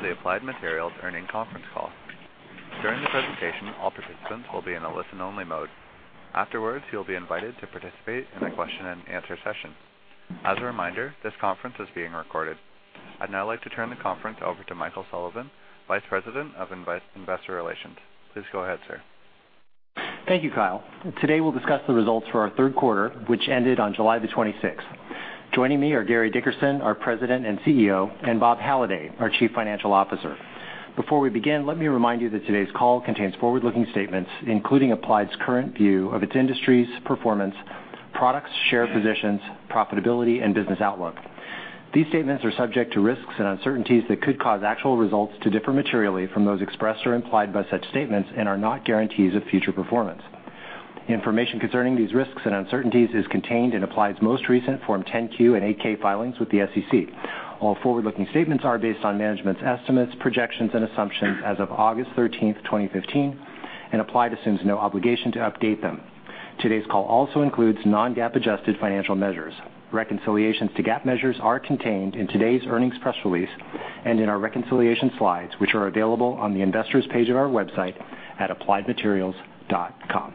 Welcome to the Applied Materials Earnings Conference Call. During the presentation, all participants will be in a listen-only mode. Afterwards, you'll be invited to participate in a question-and-answer session. As a reminder, this conference is being recorded. I'd now like to turn the conference over to Michael Sullivan, Vice President of Investor Relations. Please go ahead, sir. Thank you, Kyle. Today, we'll discuss the results for our third quarter, which ended on July 26th. Joining me are Gary Dickerson, our President and CEO, and Bob Halliday, our Chief Financial Officer. Before we begin, let me remind you that today's call contains forward-looking statements, including Applied's current view of its industry's performance, products, share positions, profitability, and business outlook. These statements are subject to risks and uncertainties that could cause actual results to differ materially from those expressed or implied by such statements and are not guarantees of future performance. Information concerning these risks and uncertainties is contained in Applied's most recent Form 10-Q and Form 8-K filings with the SEC. All forward-looking statements are based on management's estimates, projections, and assumptions as of August 13th, 2015, and Applied assumes no obligation to update them. Today's call also includes non-GAAP adjusted financial measures. Reconciliations to GAAP measures are contained in today's earnings press release and in our reconciliation slides, which are available on the Investors page of our website at appliedmaterials.com.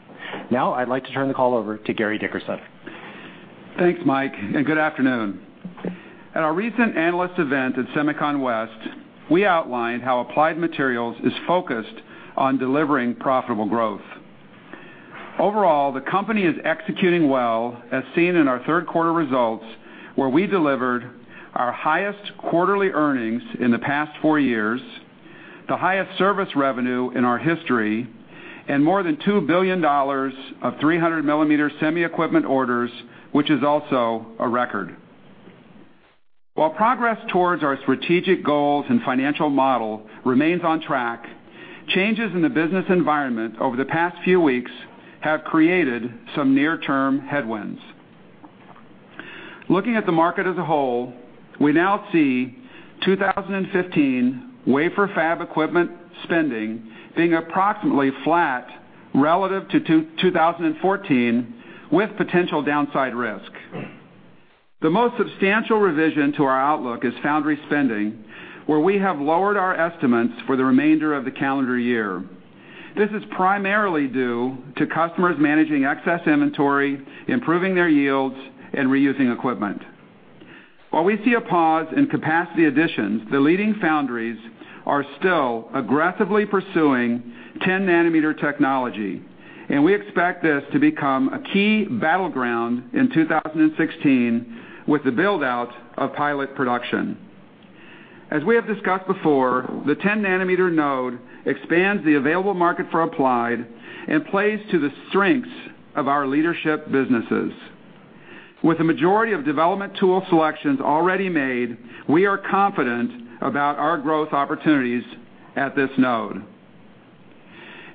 Now, I'd like to turn the call over to Gary Dickerson. Thanks, Mike, and good afternoon. At our recent analyst event at SEMICON West, we outlined how Applied Materials is focused on delivering profitable growth. Overall, the company is executing well, as seen in our third-quarter results, where we delivered our highest quarterly earnings in the past four years, the highest service revenue in our history, and more than $2 billion of 300 mm semi equipment orders, which is also a record. While progress towards our strategic goals and financial model remains on track, changes in the business environment over the past few weeks have created some near-term headwinds. Looking at the market as a whole, we now see 2015 wafer fab equipment spending being approximately flat relative to 2014, with potential downside risk. The most substantial revision to our outlook is foundry spending, where we have lowered our estimates for the remainder of the calendar year. This is primarily due to customers managing excess inventory, improving their yields, and reusing equipment. While we see a pause in capacity additions, the leading foundries are still aggressively pursuing 10 nm technology, and we expect this to become a key battleground in 2016 with the build-out of pilot production. As we have discussed before, the 10 nm node expands the available market for Applied and plays to the strengths of our leadership businesses. With the majority of development tool selections already made, we are confident about our growth opportunities at this node.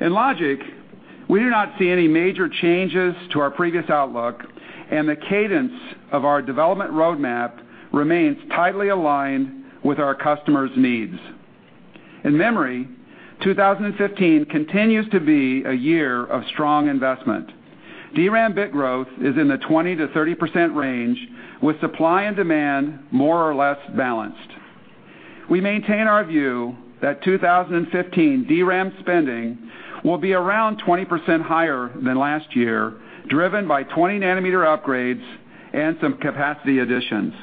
In logic, we do not see any major changes to our previous outlook, and the cadence of our development roadmap remains tightly aligned with our customers' needs. In memory, 2015 continues to be a year of strong investment. DRAM bit growth is in the 20%-30% range, with supply and demand more or less balanced. We maintain our view that 2015 DRAM spending will be around 20% higher than last year, driven by 20 nm upgrades and some capacity additions.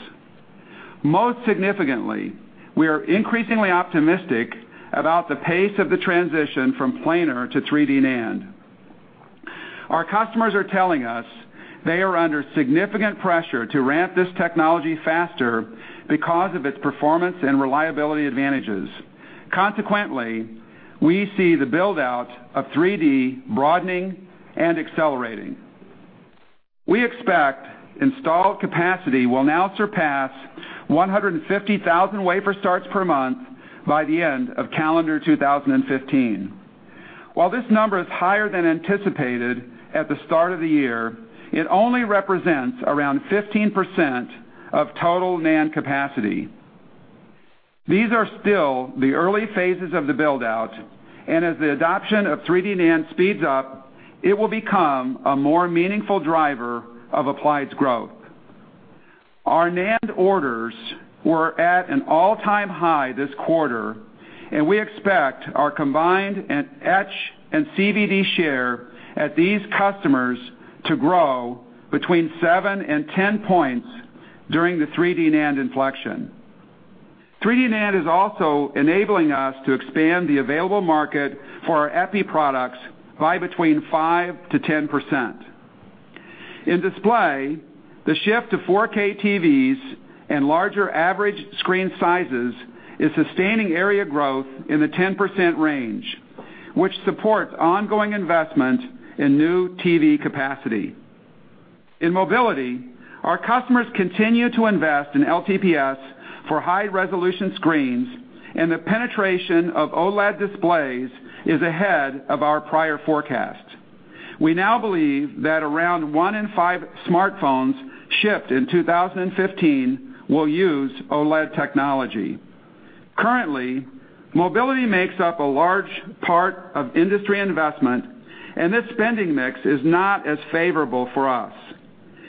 Most significantly, we are increasingly optimistic about the pace of the transition from planar to 3D NAND. Our customers are telling us they are under significant pressure to ramp this technology faster because of its performance and reliability advantages. Consequently, we see the build-out of 3D broadening and accelerating. We expect installed capacity will now surpass 150,000 wafer starts per month by the end of calendar 2015. While this number is higher than anticipated at the start of the year, it only represents around 15% of total NAND capacity. These are still the early phases of the build-out, and as the adoption of 3D NAND speeds up, it will become a more meaningful driver of Applied's growth. Our NAND orders were at an all-time high this quarter, and we expect our [combined and etch] and CVD share at these customers to grow between seven and 10 points during the 3D NAND inflection. 3D NAND is also enabling us to expand the available market for our EPI products by between 5%-10%. In display, the shift to 4K TVs and larger average screen sizes is sustaining area growth in the 10% range, which supports ongoing investment in new TV capacity. In mobility, our customers continue to invest in LTPS for high-resolution screens. The penetration of OLED displays is ahead of our prior forecast. We now believe that around one in five smartphones shipped in 2015 will use OLED technology. Currently, mobility makes up a large part of industry investment. This spending mix is not as favorable for us.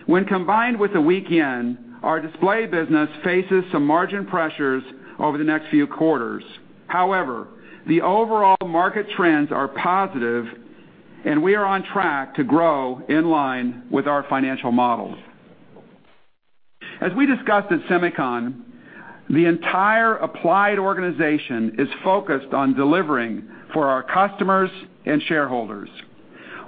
When combined with the weak yen, our display business faces some margin pressures over the next few quarters. The overall market trends are positive. We are on track to grow in line with our financial models. As we discussed at SEMICON West, the entire Applied organization is focused on delivering for our customers and shareholders.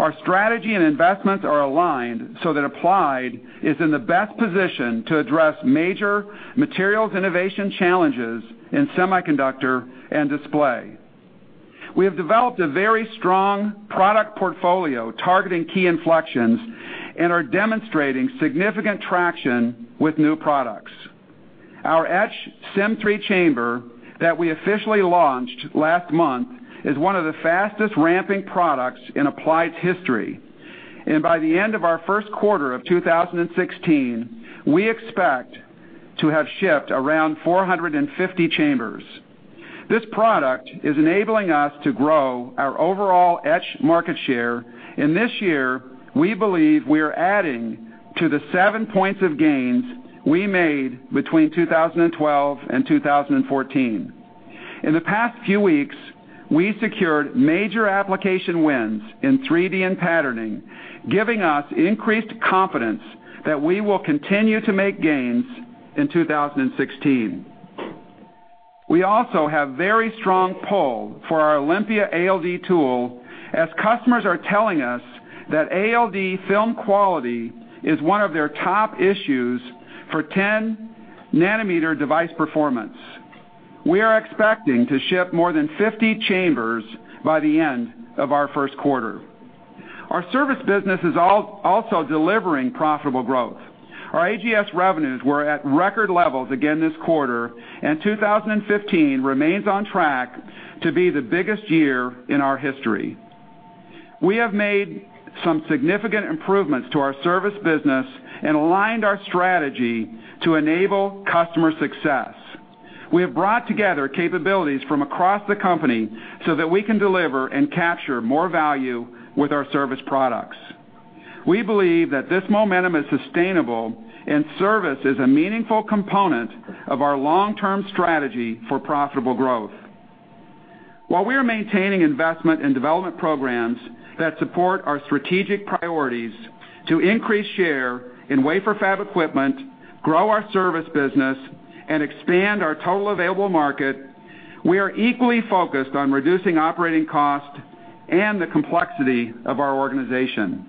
Our strategy and investments are aligned so that Applied is in the best position to address major materials innovation challenges in semiconductor and display. We have developed a very strong product portfolio targeting key inflections and are demonstrating significant traction with new products. Our etch Sym3 chamber that we officially launched last month is one of the fastest ramping products in Applied's history. By the end of our first quarter of 2016, we expect to have shipped around 450 chambers. This product is enabling us to grow our overall etch market share, and this year, we believe we are adding to the seven points of gains we made between 2012 and 2014. In the past few weeks, we secured major application wins in 3D and patterning, giving us increased confidence that we will continue to make gains in 2016. We also have very strong pull for our Olympia ALD tool as customers are telling us that ALD film quality is one of their top issues for 10 nm device performance. We are expecting to ship more than 50 chambers by the end of our first quarter. Our service business is also delivering profitable growth. Our AGS revenues were at record levels again this quarter, and 2015 remains on track to be the biggest year in our history. We have made some significant improvements to our service business and aligned our strategy to enable customer success. We have brought together capabilities from across the company so that we can deliver and capture more value with our service products. We believe that this momentum is sustainable and service is a meaningful component of our long-term strategy for profitable growth. While we are maintaining investment in development programs that support our strategic priorities to increase share in wafer fab equipment, grow our service business, and expand our total available market, we are equally focused on reducing operating costs and the complexity of our organization.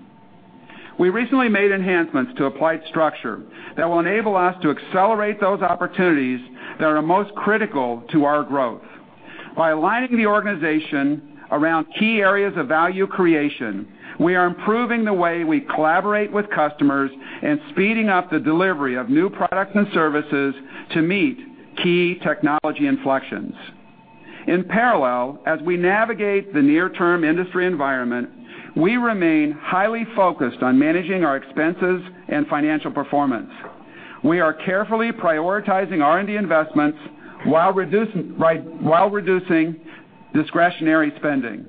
We recently made enhancements to Applied's structure that will enable us to accelerate those opportunities that are most critical to our growth. By aligning the organization around key areas of value creation, we are improving the way we collaborate with customers and speeding up the delivery of new products and services to meet key technology inflections. In parallel, as we navigate the near-term industry environment, we remain highly focused on managing our expenses and financial performance. We are carefully prioritizing R&D investments while reducing discretionary spending.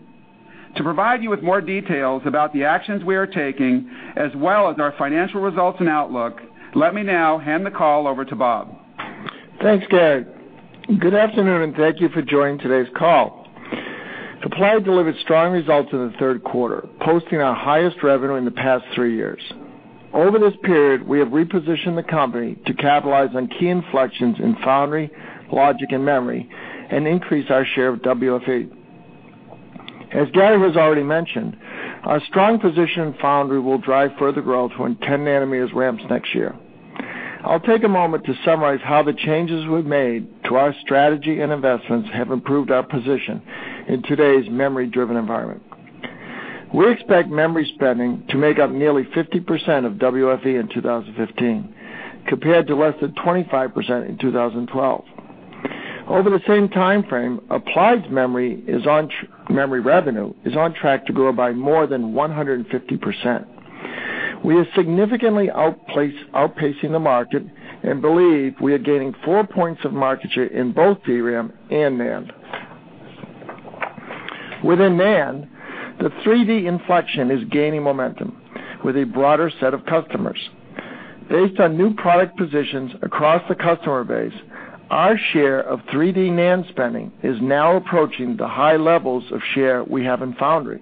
To provide you with more details about the actions we are taking, as well as our financial results and outlook, let me now hand the call over to Bob. Thanks, Gary. Good afternoon, and thank you for joining today's call. Applied delivered strong results in the third quarter, posting our highest revenue in the past three years. Over this period, we have repositioned the company to capitalize on key inflections in foundry, logic, and memory, and increase our share of WFE. As Gary has already mentioned, our strong position in foundry will drive further growth when 10 nm ramps next year. I'll take a moment to summarize how the changes we've made to our strategy and investments have improved our position in today's memory-driven environment. We expect memory spending to make up nearly 50% of WFE in 2015, compared to less than 25% in 2012. Over the same timeframe, Applied's memory revenue is on track to grow by more than 150%. We are significantly outpacing the market and believe we are gaining four points of market share in both DRAM and NAND. Within NAND, the 3D inflection is gaining momentum with a broader set of customers. Based on new product positions across the customer base, our share of 3D NAND spending is now approaching the high levels of share we have in foundry.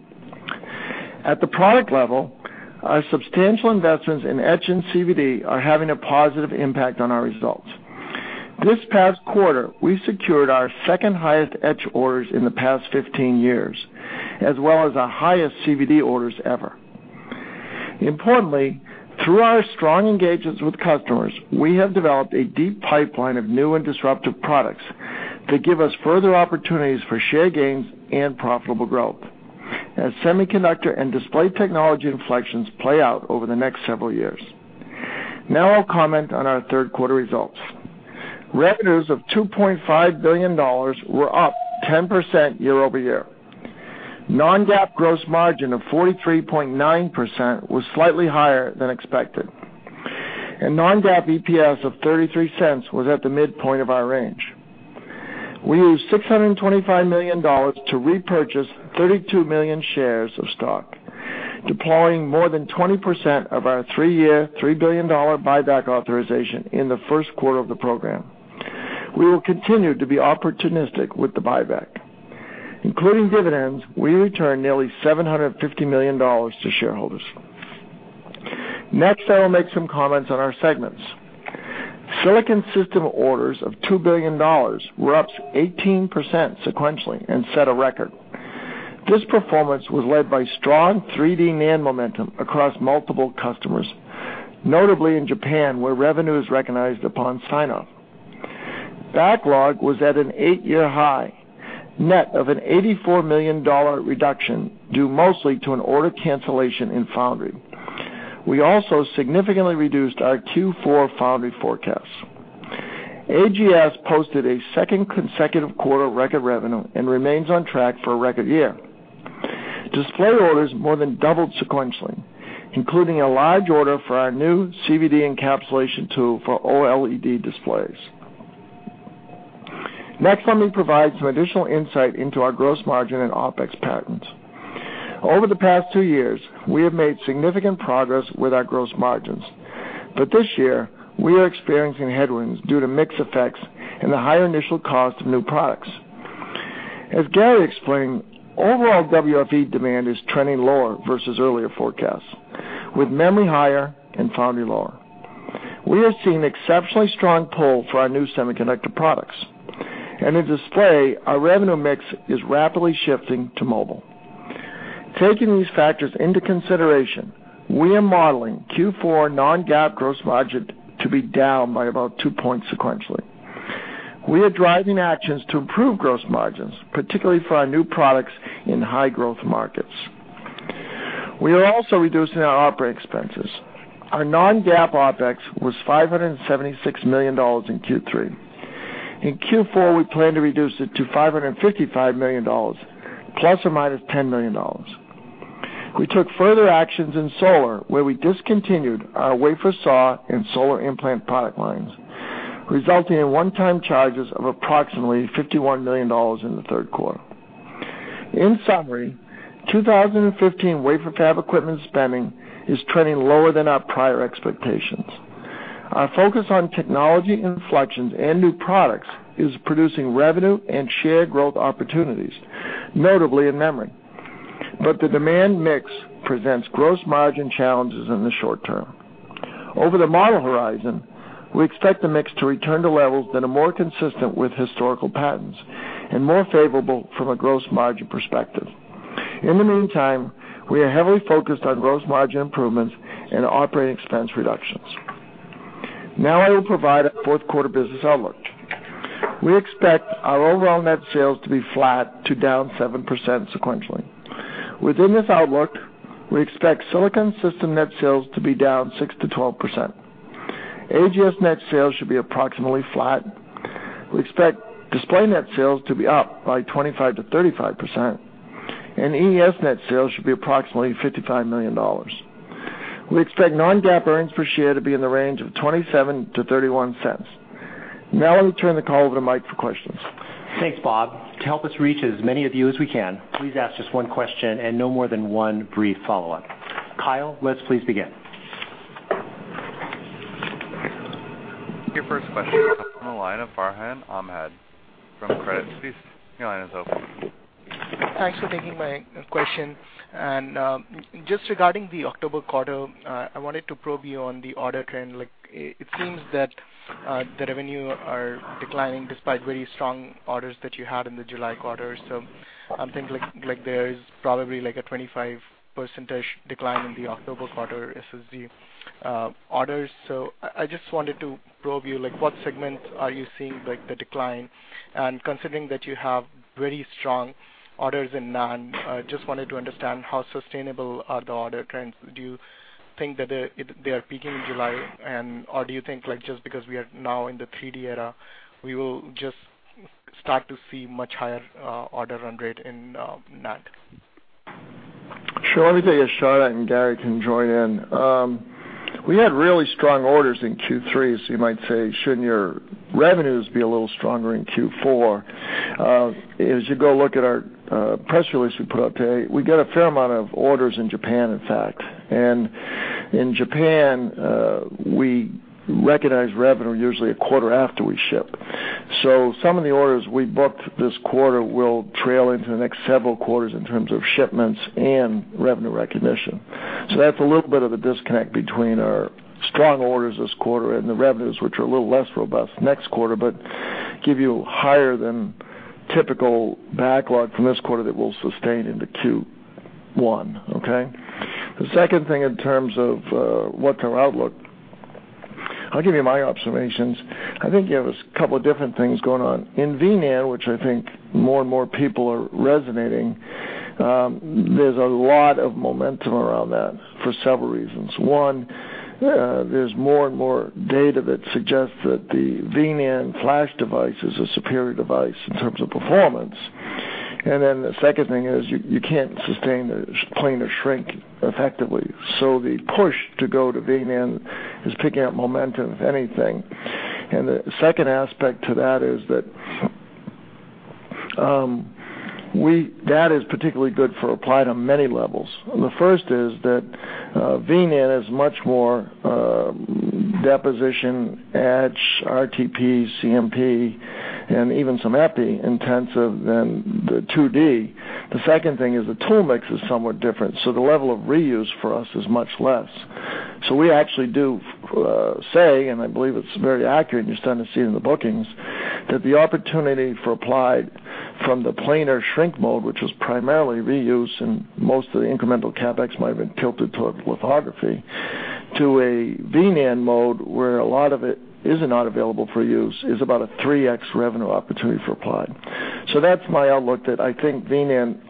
At the product level, our substantial investments in etch and CVD are having a positive impact on our results. This past quarter, we secured our second-highest etch orders in the past 15 years, as well as our highest CVD orders ever. Importantly, through our strong engagements with customers, we have developed a deep pipeline of new and disruptive products that give us further opportunities for share gains and profitable growth as semiconductor and display technology inflections play out over the next several years. I'll comment on our third quarter results. Revenues of $2.5 billion were up 10% year-over-year. non-GAAP gross margin of 43.9% was slightly higher than expected. Non-GAAP EPS of $0.33 was at the midpoint of our range. We used $625 million to repurchase 32 million shares of stock, deploying more than 20% of our three-year, $3 billion buyback authorization in the first quarter of the program. We will continue to be opportunistic with the buyback. Including dividends, we returned nearly $750 million to shareholders. I will make some comments on our segments. Silicon Systems' orders of $2 billion were up 18% sequentially and set a record. This performance was led by strong 3D NAND momentum across multiple customers, notably in Japan, where revenue is recognized upon sign-off. Backlog was at an eight-year high, net of an $84 million reduction, due mostly to an order cancellation in Foundry. We also significantly reduced our Q4 Foundry forecasts. AGS posted a second consecutive quarter record revenue and remains on track for a record year. Display orders more than doubled sequentially, including a large order for our new CVD encapsulation tool for OLED displays. Let me provide some additional insight into our gross margin and OpEx patterns. Over the past two years, we have made significant progress with our gross margins. This year, we are experiencing headwinds due to mix effects and the higher initial cost of new products. As Gary explained, overall WFE demand is trending lower versus earlier forecasts, with memory higher and foundry lower. We are seeing exceptionally strong pull for our new semiconductor products. In display, our revenue mix is rapidly shifting to mobile. Taking these factors into consideration, we are modeling Q4 non-GAAP gross margin to be down by about two points sequentially. We are driving actions to improve gross margins, particularly for our new products in high-growth markets. We are also reducing our operating expenses. Our non-GAAP OpEx was $576 million in Q3. In Q4, we plan to reduce it to $555 million ±$10 million. We took further actions in solar, where we discontinued our wafer saw and solar implant product lines, resulting in one-time charges of approximately $51 million in the third quarter. In summary, 2015 wafer fab equipment spending is trending lower than our prior expectations. Our focus on technology inflections and new products is producing revenue and share growth opportunities, notably in memory. The demand mix presents gross margin challenges in the short term. Over the model horizon, we expect the mix to return to levels that are more consistent with historical patterns and more favorable from a gross margin perspective. In the meantime, we are heavily focused on gross margin improvements and operating expense reductions. Now I will provide our fourth-quarter business outlook. We expect our overall net sales to be flat to down 7% sequentially. Within this outlook, we expect Silicon Systems' net sales to be down 6%-12%. AGS net sales should be approximately flat. We expect display net sales to be up by 25%-35%, and EES net sales should be approximately $55 million. We expect non-GAAP earnings per share to be in the range of $0.27-$0.31. Now let me turn the call over to Mike for questions. Thanks, Bob. To help us reach as many of you as we can, please ask just one question and no more than one brief follow-up. Kyle, let's please begin. Your first question comes on the line of Farhan Ahmad from Credit Suisse. Your line is open. Thanks for taking my question. Just regarding the October quarter, I wanted to probe you on the order trend. Like, it seems that the revenue is declining despite very strong orders that you had in the July quarter. I'm thinking like there is probably like a 25% decline in the October quarter as are the orders. I just wanted to probe you, like what segments are you seeing, like, the decline? Considering that you have very strong orders in NAND, just wanted to understand how sustainable are the order trends. Do you think that they are peaking in July or do you think like, just because we are now in the 3D era, we will just start to see much higher order run rate in NAND? Sure. Let me take a shot and Gary can join in. We had really strong orders in Q3, so you might say, shouldn't your revenues be a little stronger in Q4? As you go look at our press release we put out today, we get a fair amount of orders in Japan, in fact. In Japan, we recognize revenue usually a quarter after we ship. Some of the orders we booked this quarter will trail into the next several quarters in terms of shipments and revenue recognition. That's a little bit of a disconnect between our strong orders this quarter and the revenues, which are a little less robust next quarter, but give you higher than typical backlog from this quarter that will sustain into Q1. Okay. The second thing, in terms of what's our outlook, I'll give you my observations. I think you have a couple of different things going on. In V-NAND, which I think more and more people are resonating, there's a lot of momentum around that for several reasons. One, there's more and more data that suggests that the V-NAND Flash device is a superior device in terms of performance. The second thing is you can't sustain a planar shrink effectively. The push to go to V-NAND is picking up momentum, if anything. The second aspect to that is that is particularly good for Applied on many levels. The first is that V-NAND is much more deposition, etch, RTP, CMP, and even some EPI-intensive than the 2D. The second thing is the tool mix is somewhat different, the level of reuse for us is much less. We actually do say, and I believe it's very accurate, and you're starting to see it in the bookings, that the opportunity for Applied from the planar shrink mode, which was primarily reuse, and most of the incremental CapEx might have been tilted toward lithography, to a V-NAND mode where a lot of it is not available for use, is about a 3x revenue opportunity for Applied. That's my outlook that I think V-NAND,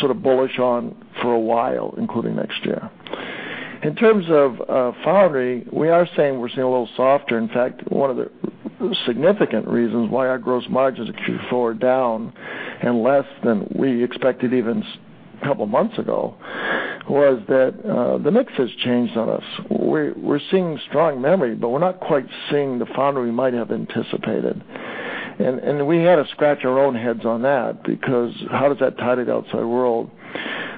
sort of bullish on for a while, including next year. In terms of foundry, we are saying we're seeing a little softer. In fact, one of the significant reasons why our gross margins actually slowed down and less than we expected even couple months ago, was that the mix has changed on us. We're seeing strong memory, but we're not quite seeing the foundry we might have anticipated. We had to scratch our own heads on that because how does that tie to the outside world?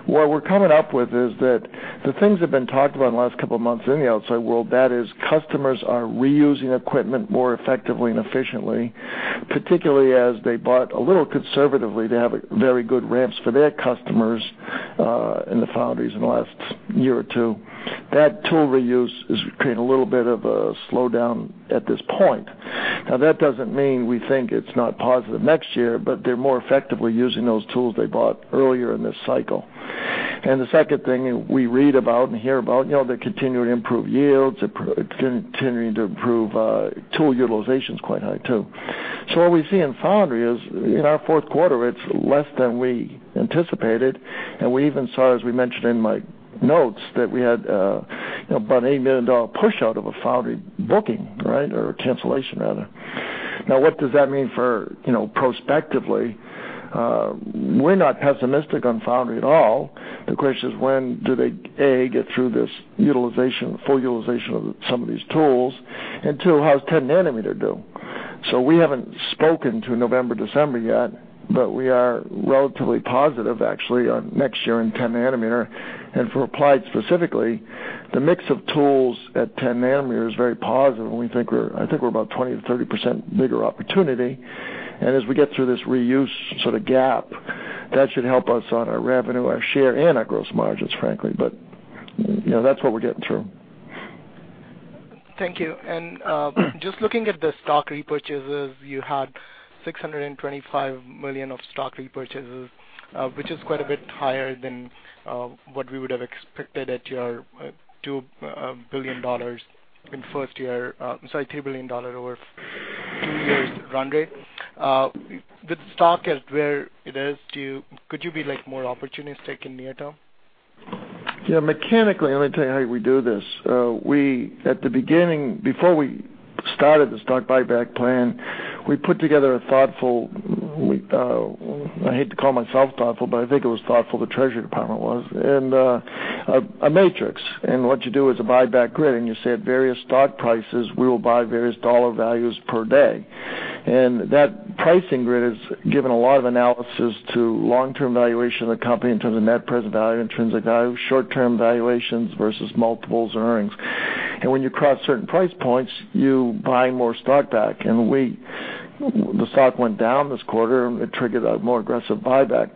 What we're coming up with is that the things that have been talked about in the last couple of months in the outside world, that is customers are reusing equipment more effectively and efficiently, particularly as they bought a little conservatively to have a very good ramps for their customers in the foundries in the last year or two. That tool reuse is creating a little bit of a slowdown at this point. Now, that doesn't mean we think it's not positive next year, but they're more effectively using those tools they bought earlier in this cycle. The second thing we read about and hear about, you know, they're continuing to improve yields, continuing to improve, tool utilization is quite high, too. What we see in foundry is, in our fourth quarter, it's less than we anticipated, and we even saw, as we mentioned in my notes, that we had, you know, about an $8 million push out of a foundry booking, right? Or a cancellation, rather. What does that mean for, you know, prospectively? We're not pessimistic on foundry at all. The question is when do they, a, get through this full utilization of some of these tools, and two, how does 10 nm do? We haven't spoken to November, December yet, but we are relatively positive actually on next year in 10 nm. For Applied specifically, the mix of tools at 10 nm is very positive, I think we're about 20%-30% bigger opportunity. As we get through this reuse sort of gap, that should help us on our revenue, our share, and our gross margins, frankly. You know, that's what we're getting through. Thank you. Just looking at the stock repurchases, you had $625 million of stock repurchases, which is quite a bit higher than what we would have expected at your $2 billion in first year, sorry, $3 billion over two years run rate. With stock at where it is, could you be, like, more opportunistic in near term? Yeah. Mechanically, let me tell you how we do this. We, at the beginning, before we started the stock buyback plan, we put together a thoughtful, we, I hate to call myself thoughtful, but I think it was thoughtful, the treasury department was, and a matrix. What you do is a buyback grid, and you say at various stock prices, we will buy various dollar values per day. That pricing grid has given a lot of analysis to long-term valuation of the company in terms of net present value, intrinsic value, short-term valuations versus multiple earnings. When you cross certain price points, you buy more stock back. The stock went down this quarter, and it triggered a more aggressive buyback.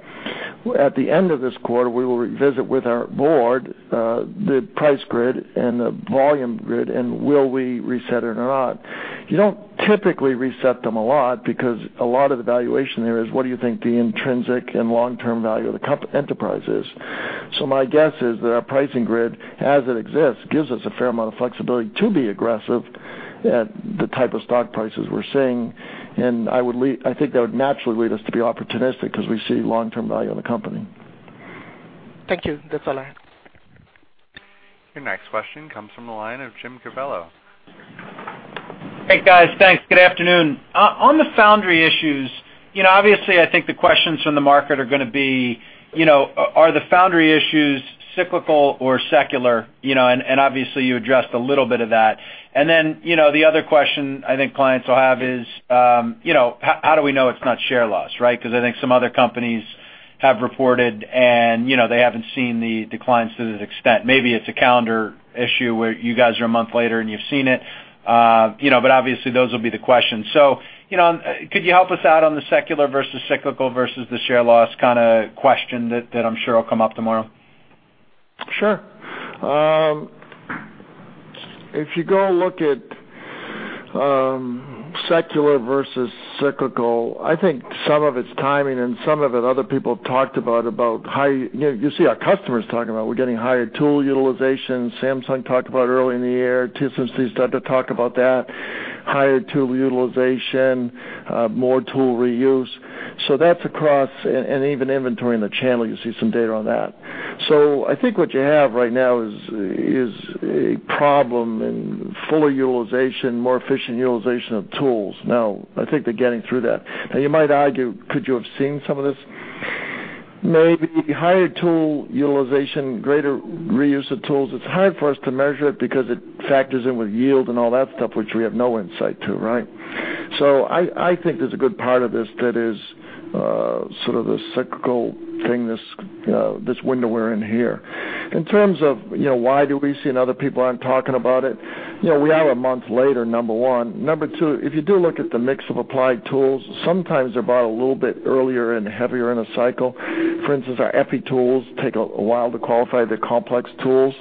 At the end of this quarter, we will revisit with our board, the price grid and the volume grid and will we reset it or not. You don't typically reset them a lot because a lot of the valuation there is what do you think the intrinsic and long-term value of the enterprise is. My guess is that our pricing grid, as it exists, gives us a fair amount of flexibility to be aggressive at the type of stock prices we're seeing, and I think that would naturally lead us to be opportunistic because we see long-term value in the company. Thank you. That's all I have. Your next question comes from the line of Jim Covello. Hey, guys. Thanks. Good afternoon. On the foundry issues, you know, obviously, I think the questions from the market are gonna be, you know, are the foundry issues cyclical or secular? You know, and obviously, you addressed a little bit of that. Then, you know, the other question I think clients will have is, you know, how do we know it's not share loss, right? I think some other companies have reported and, you know, they haven't seen the declines to this extent. Maybe it's a calendar issue where you guys are a month later and you've seen it. You know, obviously, those will be the questions. You know, could you help us out on the secular versus cyclical versus the share loss kinda question that I'm sure will come up tomorrow? Sure. If you go look at secular versus cyclical, I think some of it's timing and some of it other people have talked about how you see our customers talking about we're getting higher tool utilization. Samsung talked about it earlier in the year. TSMC started to talk about that. Higher tool utilization, more tool reuse. That's across and even inventory in the channel, you see some data on that. I think what you have right now is a problem in fuller utilization, more efficient utilization of tools. Now I think they're getting through that. Now you might argue, could you have seen some of this? Maybe higher tool utilization, greater reuse of tools. It's hard for us to measure it because it factors in with yield and all that stuff, which we have no insight to, right? I think there's a good part of this that is sort of the cyclical thing, this, you know, this window we're in here. In terms of, you know, why do we see and other people aren't talking about it, you know, we are a month later, number one. Number two, if you do look at the mix of Applied tools, sometimes they're bought a little bit earlier and heavier in a cycle. For instance, our EPI tools take a while to qualify. They're complex tools,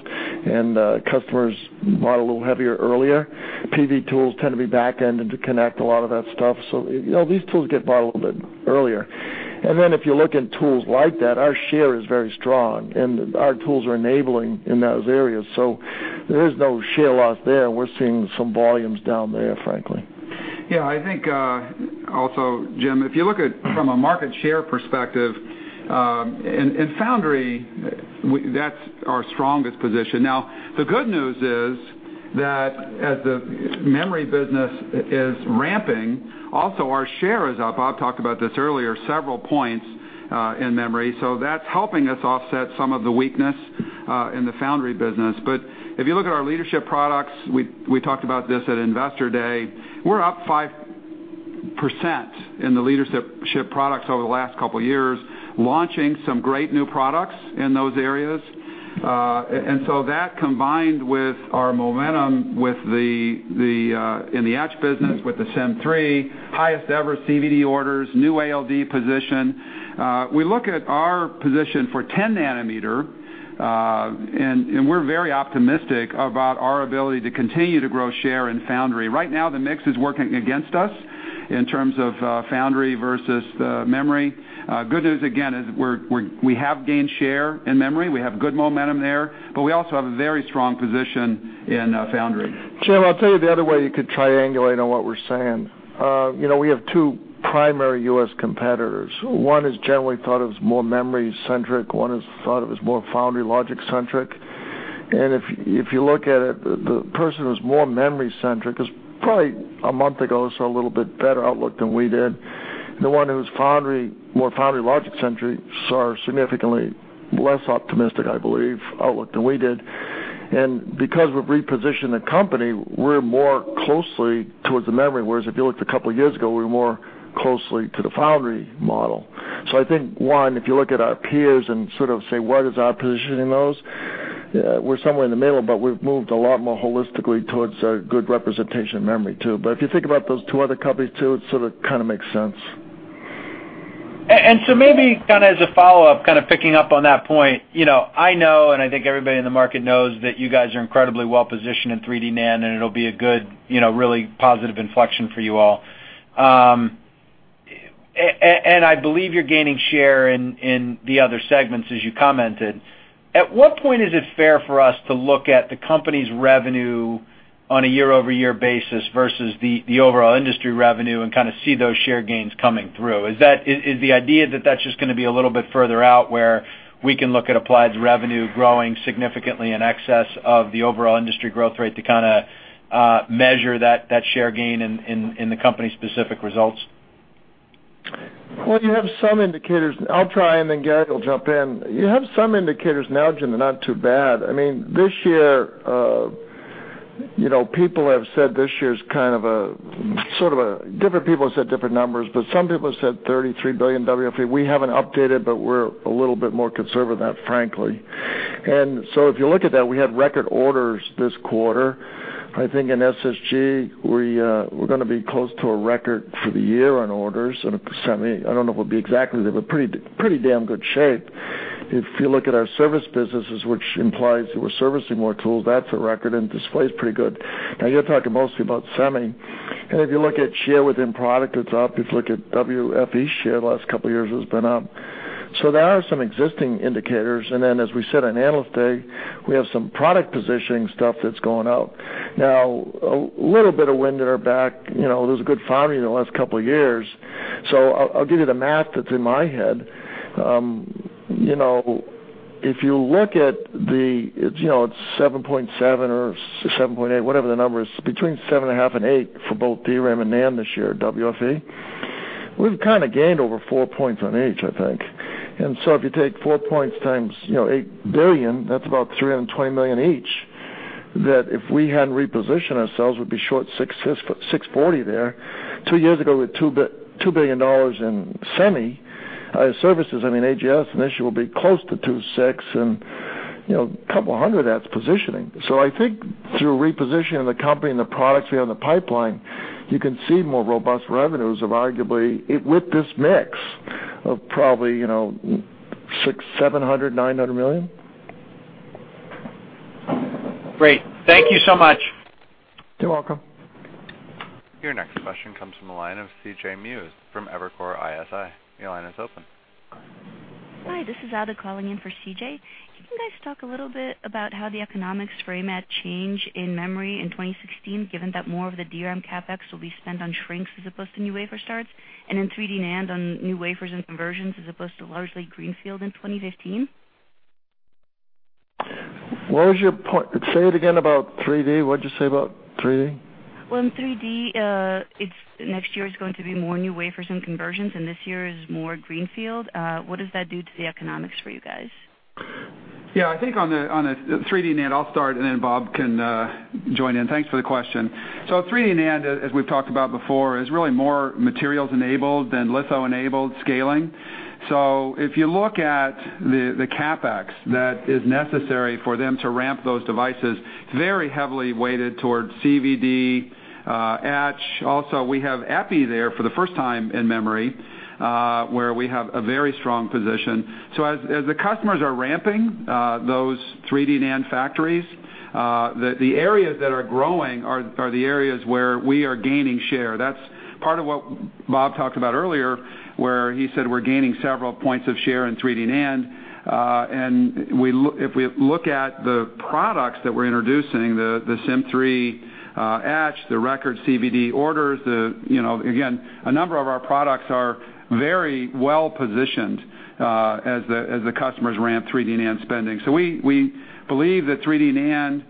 customers bought a little heavier earlier. PVD tools tend to be backended to connect a lot of that stuff. You know, these tools get bought a little bit earlier. If you look in tools like that, our share is very strong, and our tools are enabling in those areas. There is no share loss there, and we're seeing some volumes down there, frankly. Yeah. I think, also, Jim, if you look at from a market share perspective, in foundry, that's our strongest position. Now, the good news is that as the memory business is ramping, also our share is up. I've talked about this earlier, several points, in memory. That's helping us offset some of the weakness in the foundry business. But if you look at our leadership products, we talked about this at Investor Day, we're up 5% in the leadership products over the last couple years, launching some great new products in those areas. That combined with our momentum with the etch business with the Sym3, highest ever CVD orders, new ALD position. We look at our position for 10 nm and we're very optimistic about our ability to continue to grow share in foundry. Right now, the mix is working against us in terms of foundry versus the memory. Good news again is we have gained share in memory. We have good momentum there, but we also have a very strong position in foundry. Jim, I'll tell you the other way you could triangulate on what we're saying. you know, we have two primary U.S. competitors. One is generally thought of as more memory-centric, one is thought of as more foundry logic-centric. If you look at it, the person who's more memory-centric is probably a month ago, saw a little bit better outlook than we did. The one who's more foundry logic-centric saw significantly less optimistic, I believe, outlook than we did. Because we've repositioned the company, we're more closely towards the memory, whereas if you looked couple years ago, we were more closely to the foundry model. I think, one, if you look at our peers and sort of say, what is our position in those? We're somewhere in the middle, but we've moved a lot more holistically towards a good representation of memory too. If you think about those two other companies too, it sort of, kind of makes sense. So maybe kind of as a follow-up, kind of picking up on that point, you know, I know and I think everybody in the market knows that you guys are incredibly well-positioned in 3D NAND, and it'll be a good, you know, really positive inflection for you all. And I believe you're gaining share in the other segments, as you commented. At what point is it fair for us to look at the company's revenue on a year-over-year basis versus the overall industry revenue and kind of see those share gains coming through? Is that, is the idea that that's just gonna be a little bit further out, where we can look at Applied's revenue growing significantly in excess of the overall industry growth rate to kind of, measure that share gain in, in the company's specific results? Well, you have some indicators. I'll try, then Gary will jump in. You have some indicators now, Jim, they're not too bad. I mean, this year, you know, people have said this year's kind of a, different people have said different numbers, but some people have said $33 billion WFE. We haven't updated, we're a little bit more conservative than that, frankly. If you look at that, we had record orders this quarter. I think in SSG, we're gonna be close to a record for the year on orders. I mean, I don't know what it will be exactly, but pretty damn good shape. If you look at our service businesses, which implies that we're servicing more tools, that's a record, display is pretty good. You're talking mostly about semi. If you look at share within product, it's up. If you look at WFE share the last couple of years, it's been up. There are some existing indicators. Then as we said on Analyst Day, we have some product positioning stuff that's going up. Now, a little bit of wind at our back, you know, there was a good foundry in the last couple of years. I'll give you the math that's in my head. You know, if you look at the, you know, it's 7.7 or 7.8, whatever the number is, between 7.5 and 8 for both DRAM and NAND this year, WFE. We've kind of gained over four points on each, I think. If you take four points times, you know, $8 billion, that's about $320 million each, that if we hadn't repositioned ourselves, we'd be short $640 there. Two years ago, we had $2 billion in semi services. I mean, AGS initially will be close to $2.6 billion and, you know, a couple of hundred, that's positioning. I think through repositioning the company and the products we have in the pipeline, you can see more robust revenues of arguably, with this mix of probably, you know, $600 million, $700 million, $900 million. Great. Thank you so much. You're welcome. Your next question comes from the line of C.J. Muse from Evercore ISI. Your line is open. Hi, this is Ada calling in for C.J. Can you guys talk a little bit about how the economics for AMAT change in memory in 2016, given that more of the DRAM CapEx will be spent on shrinks as opposed to new wafer starts, and in 3D NAND on new wafers and conversions, as opposed to largely greenfield in 2015? What was your point? Say it again about 3D. What'd you say about 3D? Well, in 3D, it's next year is going to be more new wafers and conversions, and this year is more greenfield. What does that do to the economics for you guys? I think on the 3D NAND, I'll start, and then Bob can join in. Thanks for the question. 3D NAND, as we've talked about before, is really more materials-enabled than litho-enabled scaling. If you look at the CapEx that is necessary for them to ramp those devices, very heavily weighted towards CVD, etch. Also, we have EPI there for the first time in memory, where we have a very strong position. As the customers are ramping those 3D NAND factories, the areas that are growing are the areas where we are gaining share. That's part of what Bob talked about earlier, where he said we're gaining several points of share in 3D NAND. We look at the products that we're introducing, the Sym3 etch, the record CVD orders, you know, again, a number of our products are very well-positioned as the customers ramp 3D NAND spending. We believe that 3D NAND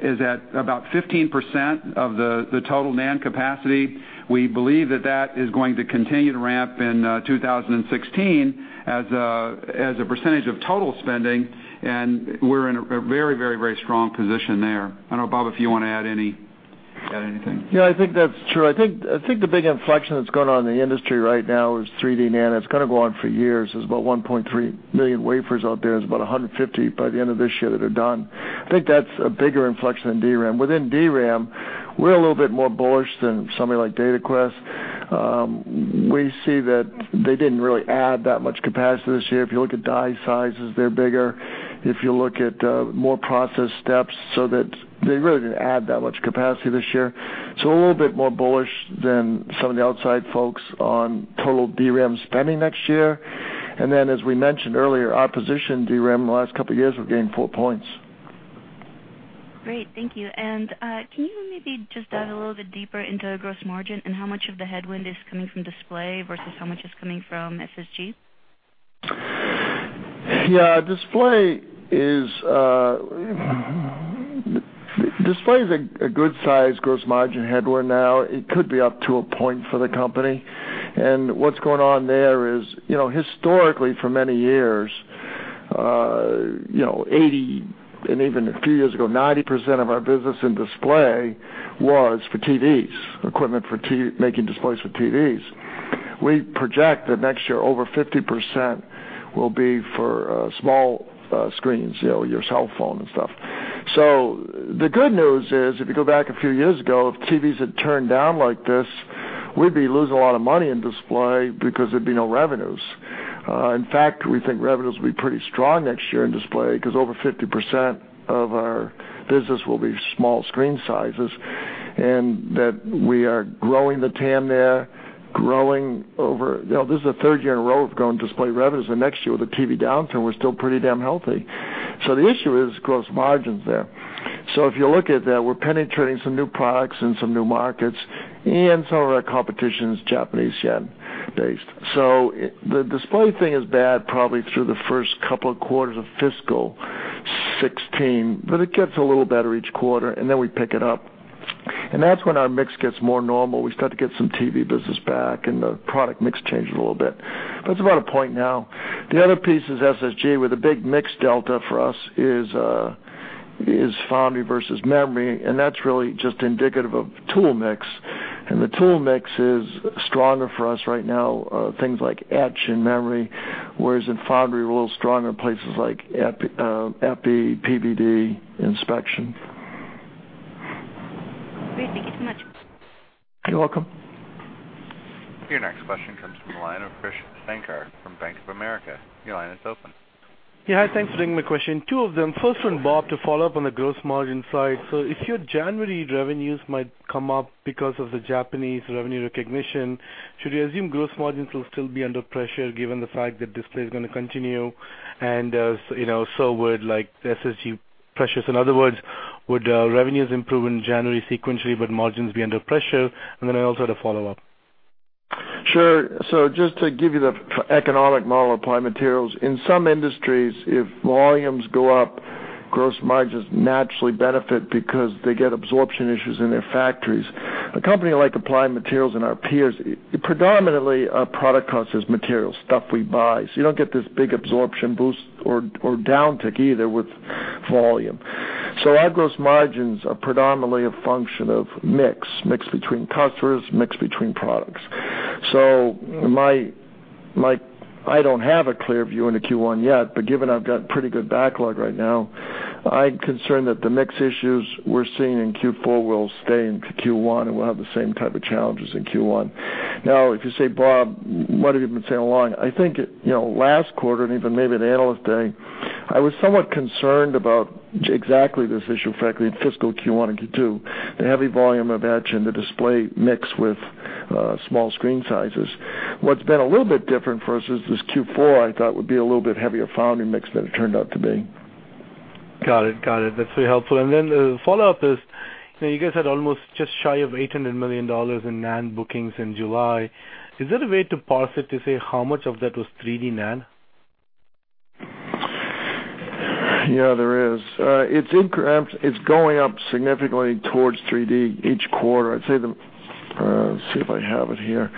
is at about 15% of the total NAND capacity. We believe that that is going to continue to ramp in 2016 as a percentage of total spending, and we're in a very, very, very strong position there. I don't know, Bob, if you want to add anything. Yeah, I think the big inflection that's going on in the industry right now is 3D NAND. It's gonna go on for years. There's about 1.3 million wafers out there. There's about 150 by the end of this year that are done. I think that's a bigger inflection than DRAM. Within DRAM, we're a little bit more bullish than somebody like Dataquest. We see that they didn't really add that much capacity this year. If you look at die sizes, they're bigger. If you look at more process steps so that they really didn't add that much capacity this year. A little bit more bullish than some of the outside folks on total DRAM spending next year. As we mentioned earlier, our position in DRAM in the last couple of years, we've gained four points. Great. Thank you. Can you maybe just dive a little bit deeper into the gross margin and how much of the headwind is coming from display versus how much is coming from SSG? Yeah. Display is a good-sized gross margin headwind now. It could be up to a point for the company. What's going on there is, you know, historically, for many years, you know, 80%, and even a few years ago, 90% of our business in display was for TVs, equipment for making displays for TVs. We project that next year, over 50% will be for small screens, you know, your cell phone and stuff. The good news is, if you go back a few years ago, if TVs had turned down like this, we'd be losing a lot of money in display because there'd be no revenues. In fact, we think revenues will be pretty strong next year in display because over 50% of our business will be small screen sizes. We are growing the TAM there, growing over, you know, this is the third year in a row of growing display revenues, and next year, with the TV downturn, we're still pretty damn healthy. The issue is gross margins there. If you look at that, we're penetrating some new products and some new markets, and some of our competition is Japanese yen based. The display thing is bad probably through the first couple of quarters of fiscal 2016, but it gets a little better each quarter, and then we pick it up. That's when our mix gets more normal. We start to get some TV business back, and the product mix changes a little bit. It's about a point now. The other piece is SSG, where the big mix delta for us is foundry versus memory, and that's really just indicative of tool mix. The tool mix is stronger for us right now, things like etch and memory, whereas in foundry, we're a little stronger in places like EPI, PVD, Inspection. Great. Thank you so much. You're welcome. Your next question comes from the line of Krish Sankar from Bank of America. Your line is open. Yeah. Hi, thanks for taking my question. Two of them. First one, Bob, to follow up on the gross margin side. If your January revenues might come up because of the Japanese revenue recognition, should we assume gross margins will still be under pressure given the fact that display is gonna continue and, so, you know, would like SSG pressures? In other words, would revenues improve in January sequentially, but margins be under pressure? I also had a follow-up. Sure. Just to give you the economic model of Applied Materials, in some industries, if volumes go up, gross margins naturally benefit because they get absorption issues in their factories. A company like Applied Materials and our peers, predominantly our product cost is materials, stuff we buy, so you don't get this big absorption boost or downtick either with volume. Our gross margins are predominantly a function of mix between customers, mix between products. I don't have a clear view into Q1 yet, but given I've got pretty good backlog right now, I'm concerned that the mix issues we're seeing in Q4 will stay into Q1, and we'll have the same type of challenges in Q1. Now, if you say, Bob, what have you been saying along? You know, last quarter, even maybe at Analyst Day, I was somewhat concerned about exactly this issue, frankly, in fiscal Q1 and Q2, the heavy volume of etch and the display mix with small screen sizes. What's been a little bit different for us is this Q4 I thought would be a little bit heavier foundry mix than it turned out to be. Got it. Got it. That's very helpful. Now you guys had almost just shy of $800 million in NAND bookings in July. Is there a way to parse it to say how much of that was 3D NAND? Yeah, there is. It's going up significantly towards 3D each quarter. I'd say, let's see if I have it here.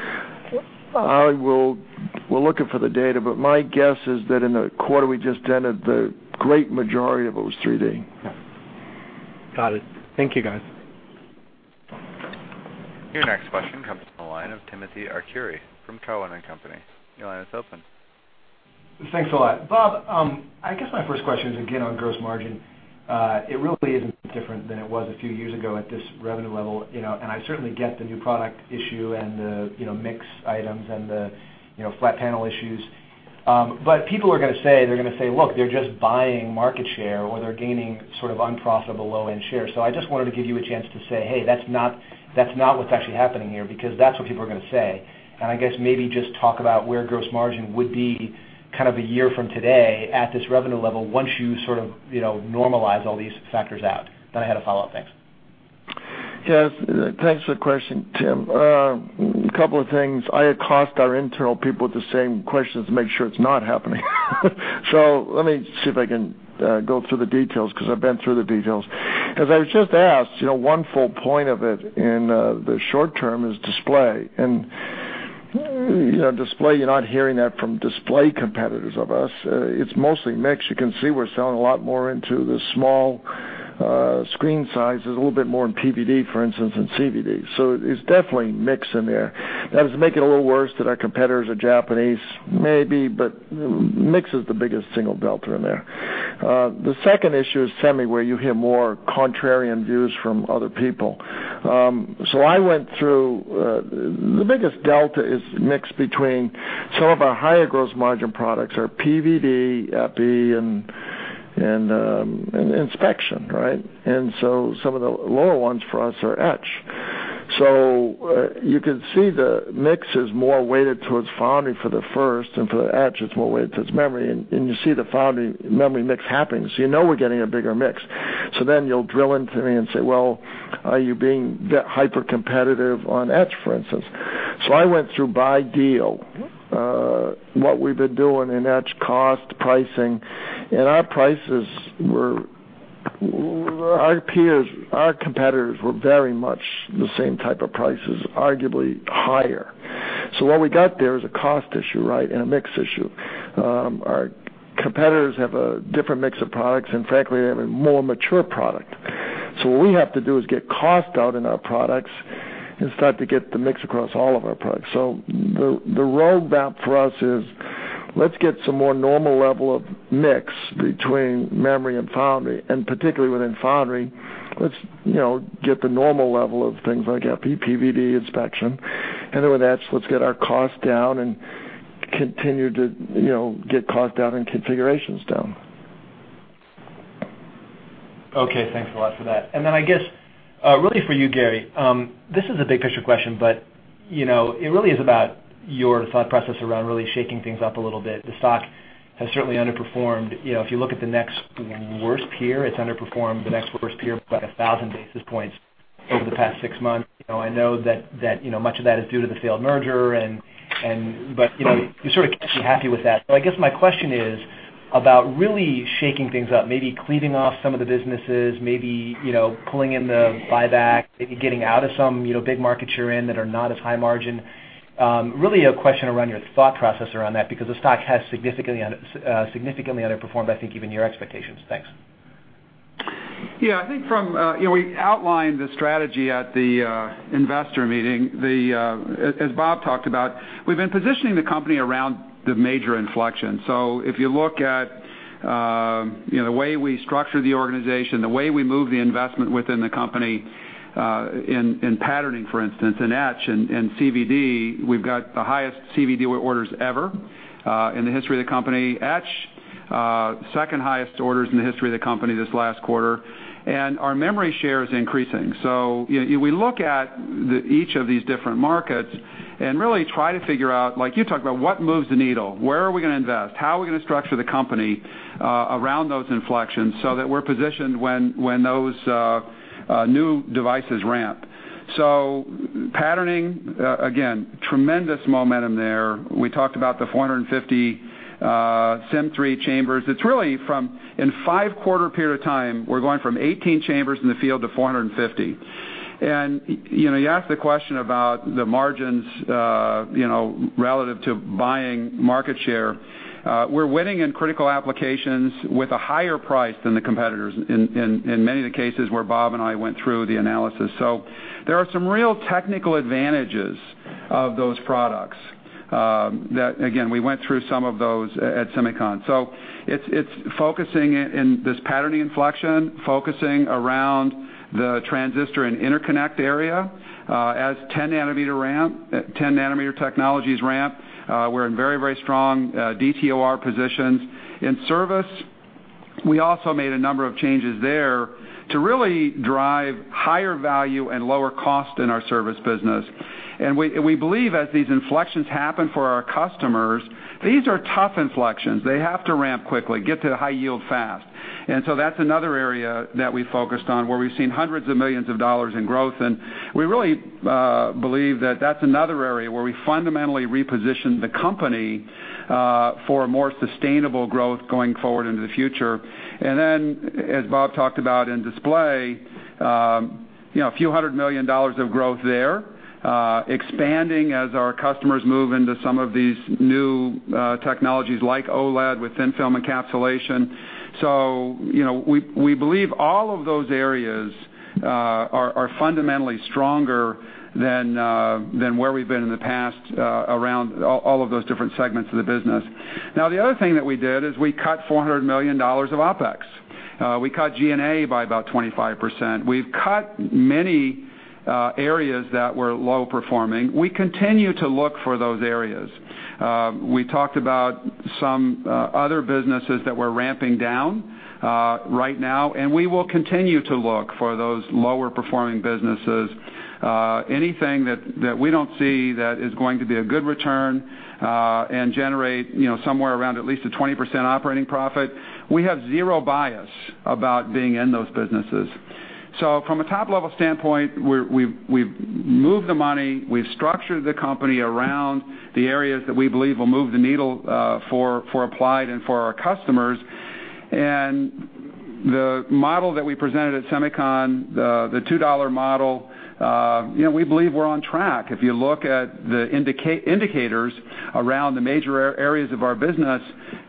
We're looking for the data, but my guess is that in the quarter we just ended, the great majority of it was 3D. Got it. Thank you, guys. Your next question comes from the line of Timothy Arcuri from Cowen and Company. Your line is open. Thanks a lot. Bob, I guess my first question is again on gross margin. It really isn't different than it was a few years ago at this revenue level, you know, I certainly get the new product issue and the, you know, mix items and the, you know, flat panel issues. People are gonna say, they're gonna say, "Look, they're just buying market share or they're gaining sort of unprofitable low-end share." I just wanted to give you a chance to say, "Hey, that's not what's actually happening here," because that's what people are gonna say. I guess maybe just talk about where gross margin would be kind of a one year from today at this revenue level once you sort of, you know, normalize all these factors out. I had a follow-up. Thanks. Yes, thanks for the question, Tim. Couple of things. I accost our internal people with the same questions to make sure it's not happening. Let me see if I can go through the details because I've been through the details. As I was just asked, you know, one full point of it in the short term is display. You know, display, you're not hearing that from display competitors of us. It's mostly mix. You can see we're selling a lot more into the small screen sizes, a little bit more in PVD, for instance, than CVD. It's definitely mix in there. Does it make it a little worse that our competitors are Japanese? Maybe, but mix is the biggest single delta in there. The second issue is semi, where you hear more contrarian views from other people. I went through. The biggest delta is mix between some of our higher gross margin products are PVD, EPI, and Inspection, right? Some of the lower ones for us are etch. You can see the mix is more weighted towards foundry for the first, and for the etch, it's more weighted towards memory. You see the foundry memory mix happening, so you know we're getting a bigger mix. Then you'll drill into me and say, "Well, are you being hypercompetitive on etch, for instance?" I went through by deal, what we've been doing in etch cost, pricing, and our prices were, our peers, our competitors were very much the same type of prices, arguably higher. What we got there is a cost issue, right, and a mix issue. Our competitors have a different mix of products, and frankly, they have a more mature product. What we have to do is get cost out in our products and start to get the mix across all of our products. The roadmap for us is, let's get some more normal level of mix between memory and foundry, and particularly within foundry, let's, you know, get the normal level of things like EPI, PVD, Inspection. Then with etch, let's get our cost down and continue to, you know, get cost down and configurations down. Okay. Thanks a lot for that. Then I guess, really for you, Gary, this is a big picture question, but, you know, it really is about your thought process around really shaking things up a little bit. The stock has certainly underperformed. You know, if you look at the next worst peer, it's underperformed the next worst peer by 1,000 basis points over the past six months. You know, I know that, you know, much of that is due to the failed merger, you know, you sort of can't be happy with that. I guess my question is about really shaking things up, maybe cleaving off some of the businesses, maybe, you know, pulling in the buyback, maybe getting out of some, you know, big markets you're in that are not as high margin. Really a question around your thought process around that, because the stock has significantly underperformed, I think, even your expectations. Thanks. Yeah. I think from, you know, we outlined the strategy at the investor meeting. As Bob talked about, we've been positioning the company around the major inflection. If you look at, you know, the way we structure the organization, the way we move the investment within the company, in patterning, for instance, in etch and CVD, we've got the highest CVD orders ever in the history of the company. Etch, second-highest orders in the history of the company this last quarter. Our memory share is increasing. We look at each of these different markets and really try to figure out, like you talked about, what moves the needle? Where are we gonna invest? How are we gonna structure the company around those inflections so that we're positioned when those new devices ramp? Patterning, again, tremendous momentum there. We talked about the 450 Sym3 chambers. It's really from, in five-quarter period of time, we're going from 18 chambers in the field to 450. You know, you asked the question about the margins, you know, relative to buying market share. We're winning in critical applications with a higher price than the competitors in many of the cases where Bob and I went through the analysis. There are some real technical advantages of those products that, again, we went through some of those at SEMICON West. It's focusing in this patterning inflection, focusing around the transistor and interconnect area, as 10 nm ramp, 10 nm technologies ramp. We're in very strong DTOR positions. In service, we also made a number of changes there to really drive higher value and lower cost in our service business. We believe as these inflections happen for our customers, these are tough inflections. They have to ramp quickly, get to the high yield fast. That's another area that we focused on, where we've seen hundreds of millions of dollars in growth, and we really believe that that's another area where we fundamentally repositioned the company for a more sustainable growth going forward into the future. As Bob talked about in display, you know, a few hundred million dollars of growth there, expanding as our customers move into some of these new technologies like OLED with thin-film encapsulation. You know, we believe all of those areas are fundamentally stronger than where we've been in the past around all of those different segments of the business. The other thing that we did is we cut $400 million of OpEx. We cut G&A by about 25%. We've cut many areas that were low-performing. We continue to look for those areas. We talked about some other businesses that we're ramping down right now, and we will continue to look for those lower-performing businesses. Anything that we don't see that is going to be a good return, and generate, you know, somewhere around at least a 20% operating profit, we have zero bias about being in those businesses. From a top-level standpoint, we've moved the money, we've structured the company around the areas that we believe will move the needle for Applied Materials and for our customers. The model that we presented at SEMICON West, the $2 model, you know, we believe we're on track. If you look at the indicators around the major areas of our business,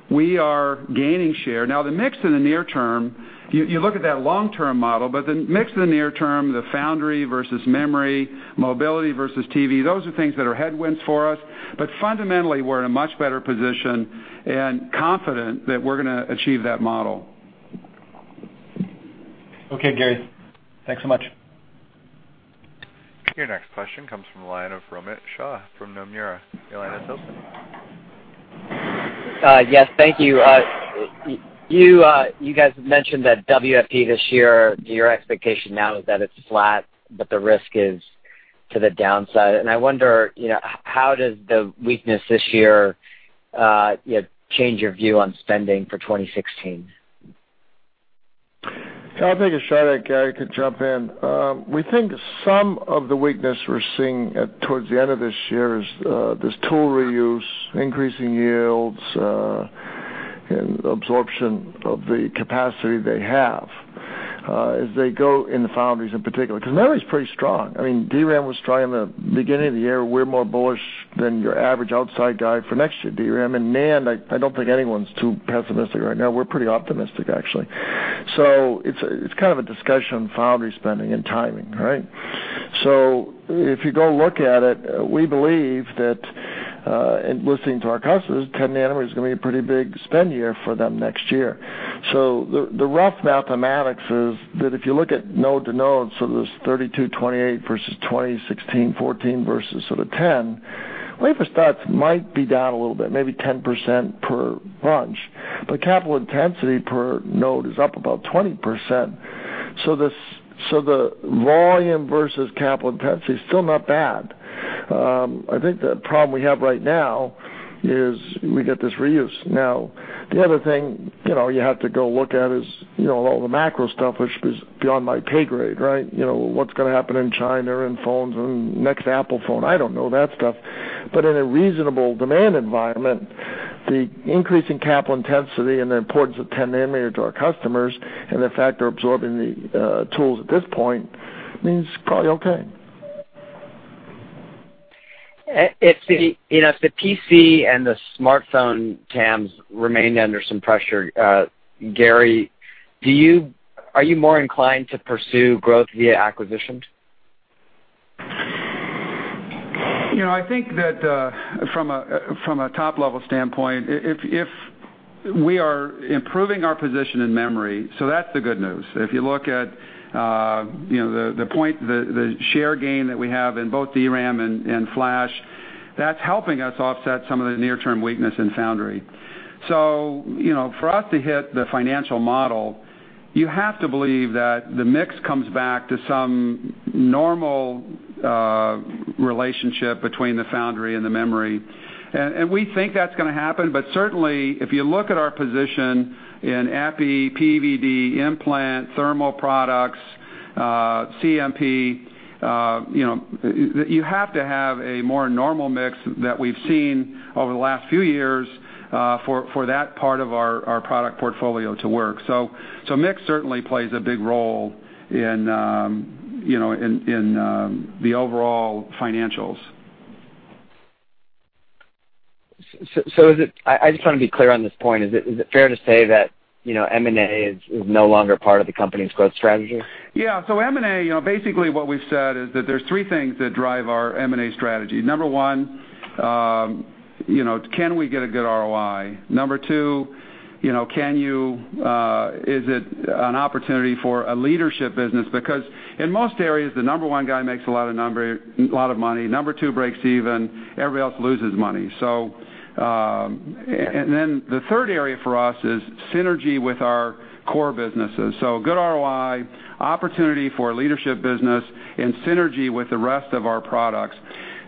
we are gaining share. The mix in the near term, you look at that long-term model, but the mix in the near term, the foundry versus memory, mobility versus TV, those are things that are headwinds for us. Fundamentally, we're in a much better position and confident that we're gonna achieve that model. Okay, Gary. Thanks so much. Your next question comes from the line of Romit Shah from Nomura. Your line is open. Yes, thank you. You guys mentioned that WFE this year, your expectation now is that it's flat, but the risk is to the downside. I wonder, you know, how does the weakness this year, you know, change your view on spending for 2016? I'll take a shot at it. Gary can jump in. We think some of the weakness we're seeing towards the end of this year is this tool reuse, increasing yields, and absorption of the capacity they have as they go in the foundries in particular, 'cause memory's pretty strong. I mean, DRAM was strong in the beginning of the year. We're more bullish than your average outside guy for next year DRAM, and NAND, I don't think anyone's too pessimistic right now. We're pretty optimistic, actually. It's, it's kind of a discussion of foundry spending and timing, right? If you go look at it, we believe that in listening to our customers, 10 nm is gonna be a pretty big spend year for them next year. The rough mathematics is that if you look at node to node, there's 32 nm, 28 nm versus 20 nm, 16 nm, 14 nm versus sort of 10 nm, wafer starts might be down a little bit, maybe 10% per bunch, but capital intensity per node is up about 20%. The volume versus capital intensity is still not bad. I think the problem we have right now is we get this reuse. The other thing, you know, you have to go look at is, you know, all the macro stuff, which is beyond my pay grade, right? You know, what's gonna happen in China and phones and next Apple phones? I don't know that stuff. In a reasonable demand environment, the increase in capital intensity and the importance of 10 nm to our customers and the fact they're absorbing the tools at this point means it's probably okay. If the, you know, if the PC and the smartphone TAMs remain under some pressure, Gary, are you more inclined to pursue growth via acquisitions? You know, I think that, from a top-level standpoint, if we are improving our position in memory, that's the good news. If you look at, you know, the point, the share gain that we have in both DRAM and flash, that's helping us offset some of the near-term weakness in foundry. You know, for us to hit the financial model, you have to believe that the mix comes back to some normal relationship between the foundry and the memory. We think that's gonna happen, certainly, if you look at our position in EPI, PVD, implant, thermal products, CMP, you know, you have to have a more normal mix that we've seen over the last few years, for that part of our product portfolio to work. Mix certainly plays a big role in, you know, in, the overall financials. I just wanna be clear on this point. Is it fair to say that, you know, M&A is no longer part of the company's growth strategy? M&A, you know, basically what we've said is that there's three things that drive our M&A strategy. Number one, you know, can we get a good ROI? Number two, you know, is it an opportunity for a leadership business? In most areas, the number one guy makes a lot of money, number two breaks even, everybody else loses money. And then the third area for us is synergy with our core businesses. Good ROI, opportunity for leadership business, and synergy with the rest of our products.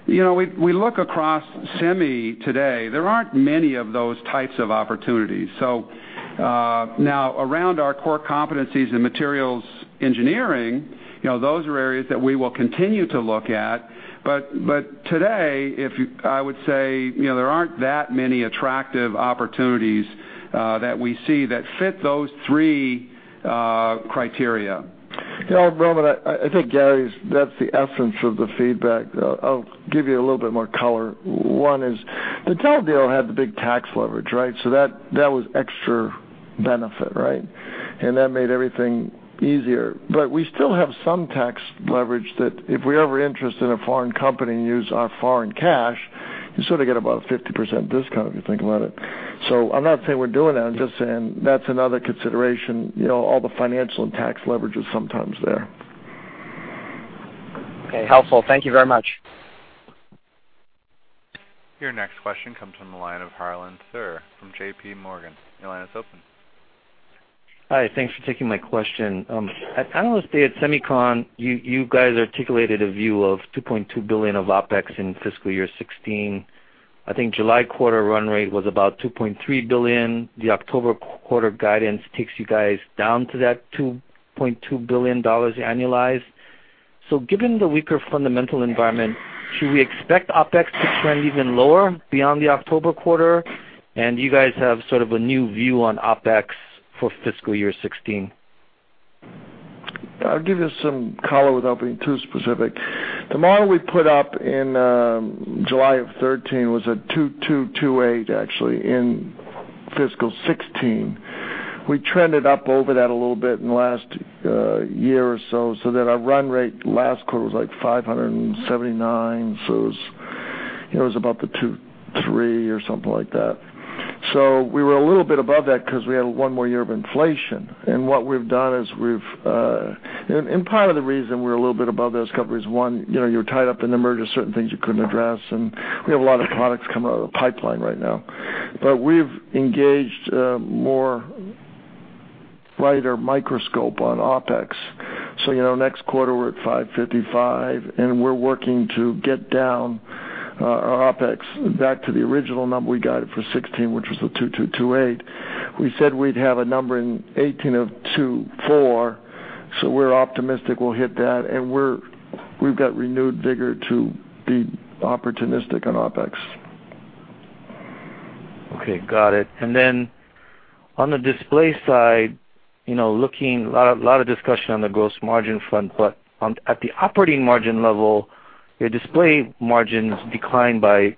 You know, we look across semi today, there aren't many of those types of opportunities. Now, around our core competencies in materials engineering, you know, those are areas that we will continue to look at. Today, I would say, you know, there aren't that many attractive opportunities that we see that fit those three criteria. You know, Romit, I think Gary's, that's the essence of the feedback. I'll give you a little bit more color. One is the TEL deal had the big tax leverage, right? That was extra benefit, right? That made everything easier. We still have some tax leverage that if we're ever interested in a foreign company and use our foreign cash, you sort of get about a 50% discount, if you think about it. I'm not saying we're doing that. I'm just saying that's another consideration. You know, all the financial and tax leverage is sometimes there. Okay. Helpful. Thank you very much. Your next question comes from the line of Harlan Sur from JPMorgan. Your line is open. Hi. Thanks for taking my question. At Analyst Day at SEMICON West, you guys articulated a view of $2.2 billion of OpEx in fiscal year 2016. I think July quarter run rate was about $2.3 billion. The October quarter guidance takes you guys down to that $2.2 billion annualized. Given the weaker fundamental environment, should we expect OpEx to trend even lower beyond the October quarter? Do you guys have sort of a new view on OpEx for fiscal year 2016? I'll give you some color without being too specific. The model we put up in July of 2013 was a [$228], actually, in fiscal 2016. We trended up over that a little bit in the last year or so that our run rate last quarter was like $579. It was, you know, it was about [$23] or something like that. We were a little bit above that because we had one more year of inflation. What we've done is we've, and part of the reason we're a little bit above those companies, one, you know, you're tied up in the merger, certain things you couldn't address, and we have a lot of products coming out of the pipeline right now. We've engaged more lighter microscope on OpEx. You know, next quarter we're at [$555], we're working to get down our OpEx back to the original number we got it for 2016, which was the [$228]. We said we'd have a number in 2018 of [$24], we're optimistic we'll hit that, we've got renewed vigor to be opportunistic on OpEx. Okay. Got it. Then on the display side, you know, lot of discussion on the gross margin front, at the operating margin level, your display margins declined by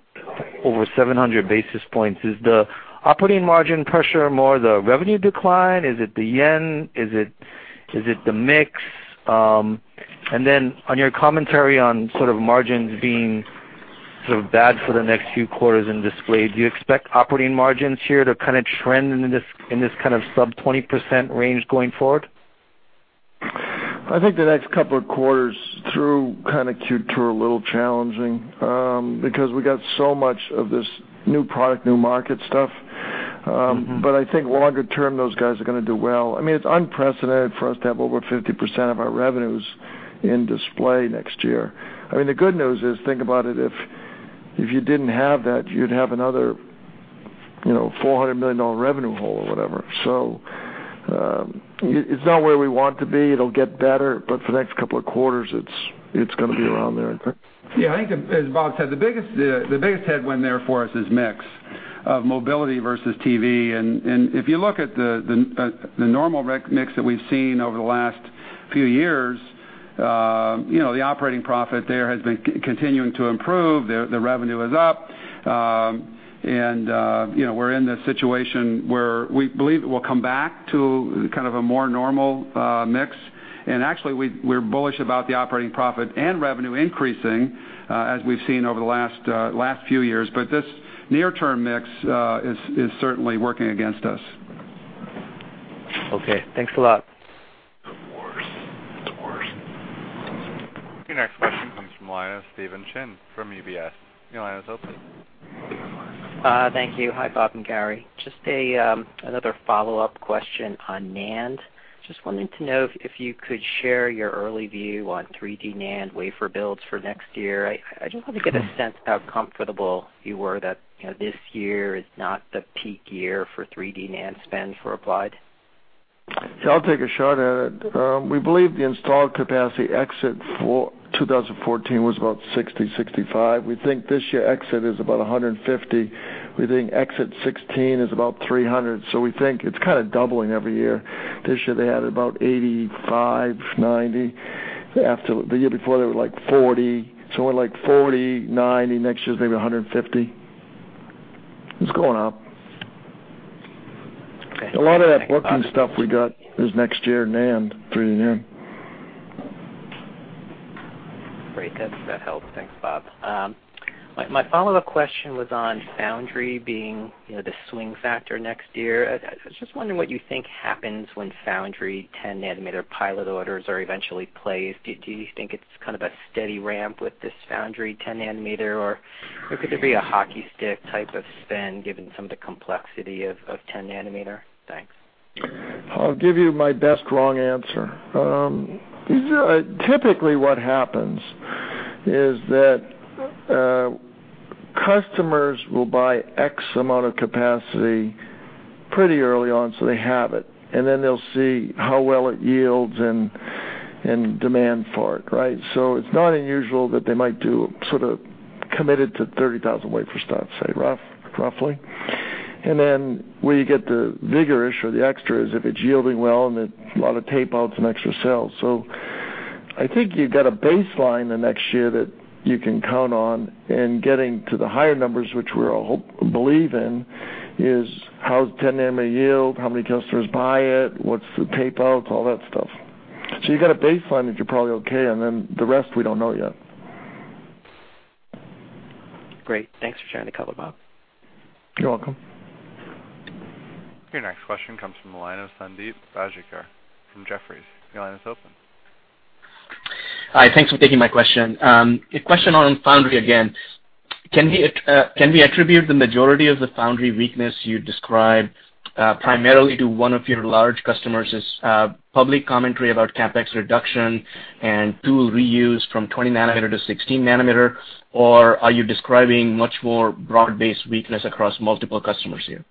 over 700 basis points. Is the operating margin pressure more the revenue decline? Is it the yen? Is it the mix? Then on your commentary on sort of margins being sort of bad for the next few quarters in display, do you expect operating margins here to kind of trend in this kind of sub-20% range going forward? I think the next couple of quarters through kind of Q2 are a little challenging, because we got so much of this new product, new market stuff. I think longer term, those guys are gonna do well. I mean, it's unprecedented for us to have over 50% of our revenues in display next year. I mean, the good news is, think about it, if you didn't have that, you'd have another, you know, $400 million revenue hole or whatever. It's not where we want to be. It'll get better, but for the next couple of quarters, it's gonna be around there, I think. Yeah. I think as Bob said, the biggest headwind there for us is mix of mobility versus TV. If you look at the normal mix that we've seen over the last few years, you know, the operating profit there has been continuing to improve. The revenue is up. You know, we're in this situation where we believe it will come back to kind of a more normal mix. Actually, we're bullish about the operating profit and revenue increasing as we've seen over the last few years. This near term mix is certainly working against us. Okay, thanks a lot. Your next question comes from the line of Steven Chin from UBS. Your line is open. Thank you. Hi, Bob and Gary. Just a another follow-up question on NAND. Just wanting to know if you could share your early view on 3D NAND wafer builds for next year. I just want to get a sense of how comfortable you were that, you know, this year is not the peak year for 3D NAND spend for Applied. I'll take a shot at it. We believe the installed capacity exit for 2014 was about 60, 65. We think this year exit is about 150. We think exit 2016 is about 300, we think it's kind of doubling every year. This year they had about 85, 90. The year before, they were like 40. We're like 40, 90, next year's maybe 150. It's going up. Okay. A lot of that booking stuff we got is next year NAND, 3D NAND. Great. That helps. Thanks, Bob. My follow-up question was on foundry being, you know, the swing factor next year. I was just wondering what you think happens when foundry 10 nm pilot orders are eventually placed. Do you think it's kind of a steady ramp with this foundry 10 nm? Or could there be a hockey stick type of spend given some of the complexity of 10 nm? Thanks. I'll give you my best wrong answer. Typically what happens is that customers will buy X amount of capacity pretty early on, so they have it, and then they'll see how well it yields and demand for it, right? It's not unusual that they might do sort of committed to 30,000 wafer starts, say roughly. Where you get the vigorish or the extra is if it's yielding well and a lot of tapeouts and extra sales. I think you got a baseline the next year that you can count on in getting to the higher numbers, which we're all believe in, is how's 10 nm yield, how many customers buy it, what's the tapeouts, all that stuff. You got a baseline that you're probably okay, and then the rest we don't know yet. Great. Thanks for sharing the color, Bob. You're welcome. Your next question comes from the line of Sundeep Bajikar from Jefferies. Your line is open. Hi. Thanks for taking my question. A question on foundry again. Can we attribute the majority of the foundry weakness you described, primarily to one of your large customers' public commentary about CapEx reduction and tool reuse from 20 nm-16 nm? Or are you describing much more broad-based weakness across multiple customers here?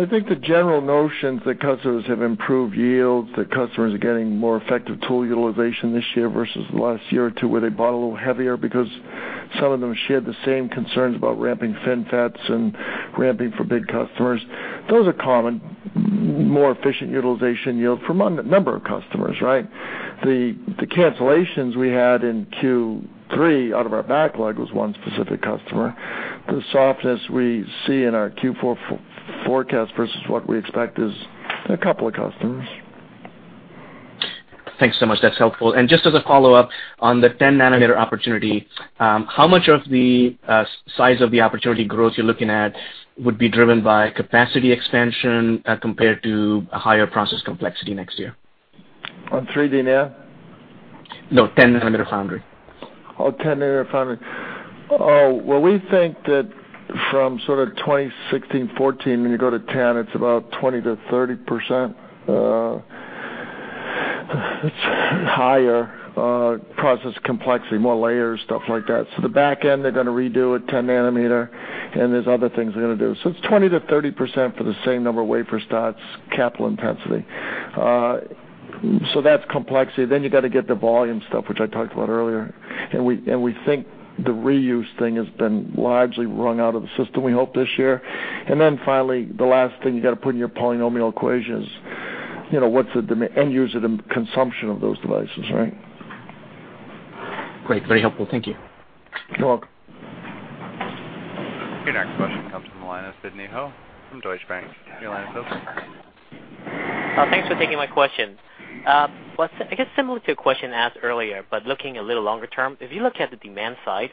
Well, I think the general notions that customers have improved yields, that customers are getting more effective tool utilization this year versus last year to where they bought a little heavier because some of them shared the same concerns about ramping FinFETs and ramping for big customers. Those are common, more efficient utilization yield from number of customers, right? The cancellations we had in Q3 out of our backlog was one specific customer. The softness we see in our Q4 forecast versus what we expect is a couple of customers. Thanks so much. That's helpful. Just as a follow-up, on the 10 nm opportunity, how much of the size of the opportunity growth you're looking at would be driven by capacity expansion, compared to a higher process complexity next year? On 3D NAND? No, 10 nm foundry. 10 nm foundry. We think that from sort of 16 nm, 14 nm, when you go to 10 nm, it's about 20%-30%, it's higher process complexity, more layers, stuff like that. The back end, they're gonna redo at 10 nm, and there are other things they're gonna do. It's 20%-30% for the same number of wafer starts capital intensity. That's complexity. You got to get the volume stuff, which I talked about earlier. We think the reuse thing has been largely wrung out of the system, we hope this year. Finally, the last thing you got to put in your polynomial equation is, you know, what's the end user consumption of those devices, right? Great. Very helpful. Thank you. You're welcome. Your next question comes from the line of Sidney Ho from Deutsche Bank. Your line is open. Thanks for taking my question. Well, I guess similar to a question asked earlier, but looking a little longer term. If you look at the demand side,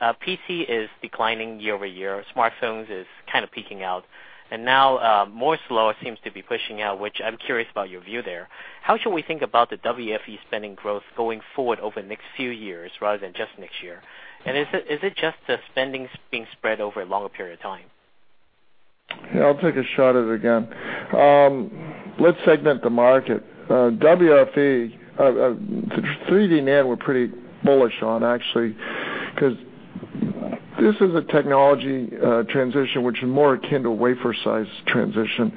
PC is declining year-over-year, smartphones is kind of peeking out, and now, Moore's Law seems to be pushing out, which I'm curious about your view there. How should we think about the WFE spending growth going forward over the next few years rather than just next year? Is it just the spending being spread over a longer period of time? Yeah, I'll take a shot at it again. Let's segment the market. WFE, 3D NAND, we're pretty bullish on actually, because this is a technology transition which is more akin to wafer size transition,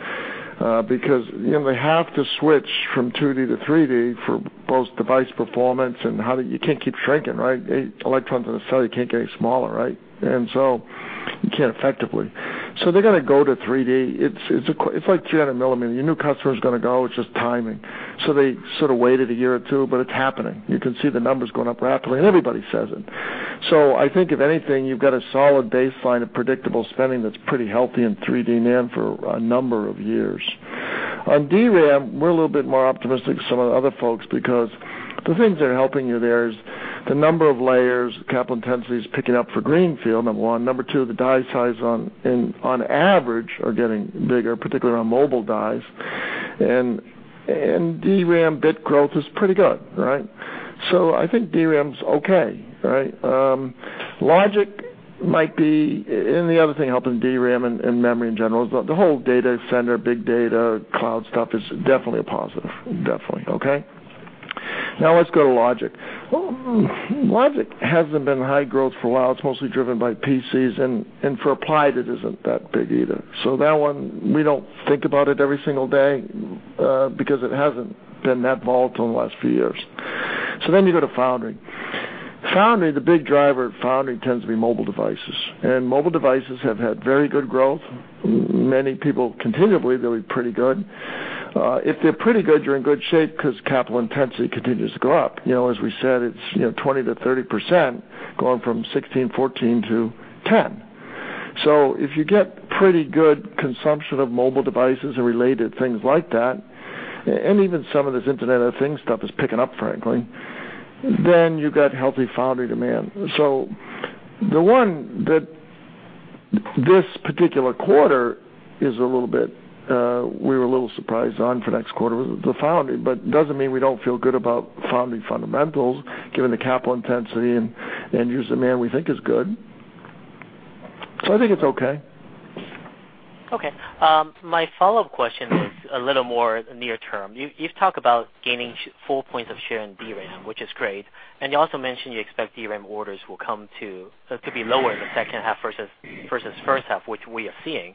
because, you know, they have to switch from 2D to 3D for both device performance and you can't keep shrinking, right? Electrons in a cell, you can't get any smaller, right? You can't effectively. They're gonna go to 3D. It's like 200 mm. Your new customer is gonna go, it's just timing. They sort of waited a year or two, but it's happening. You can see the numbers going up rapidly. Everybody says it. I think if anything, you've got a solid baseline of predictable spending that's pretty healthy in 3D NAND for a number of years. On DRAM, we're a little bit more optimistic than some of the other folks because the things that are helping you there is the number of layers, capital intensity is picking up for greenfield, number one. Number two, the die size on average is getting bigger, particularly on mobile dies. DRAM bit growth is pretty good, right? I think DRAM's okay, right? Logic might be The other thing helping DRAM and memory in general is the whole data center, big data, cloud stuff is definitely a positive. Definitely, okay? Let's go to logic. Well, logic hasn't been high growth for a while. It's mostly driven by PCs, for Applied, it isn't that big either. That one, we don't think about it every single day because it hasn't been that volatile in the last few years. You go to foundry. Foundry, the big driver at foundry tends to be mobile devices, and mobile devices have had very good growth. Many people continue to believe they'll be pretty good. If they're pretty good, you're in good shape because capital intensity continues to go up. You know, as we said, it's, you know, 20%-30% going from 16 nm, 14 nm-10 nm. If you get pretty good consumption of mobile devices and related things like that, and even some of this Internet of Things stuff is picking up, frankly, you've got healthy foundry demand. The one that this particular quarter is a little bit, we were a little surprised on for next quarter was the foundry, but doesn't mean we don't feel good about foundry fundamentals, given the capital intensity and end user demand we think is good. I think it's okay. Okay. My follow-up question was a little more near term. You've talked about gaining four points of share in DRAM, which is great, and you also mentioned you expect DRAM orders will be lower in the second half versus first half, which we are seeing.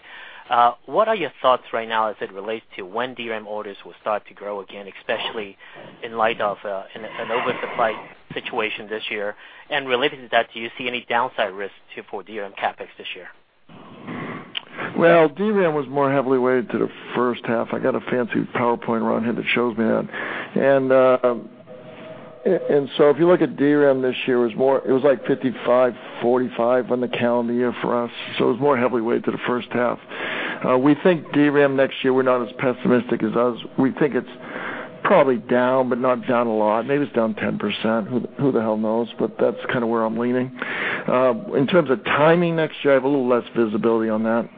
What are your thoughts right now as it relates to when DRAM orders will start to grow again, especially in light of an oversupply situation this year? Related to that, do you see any downside risks for DRAM CapEx this year? Well, DRAM was more heavily weighted to the first half. I got a fancy PowerPoint around here that shows that. If you look at DRAM this year, it was like 55%, 45% on the calendar year for us, so it was more heavily weighted to the first half. We think DRAM next year, we're not as pessimistic as others. We think it's probably down, but not down a lot. Maybe it's down 10%. Who the hell knows? That's kind of where I'm leaning. In terms of timing next year, I have a little less visibility on that.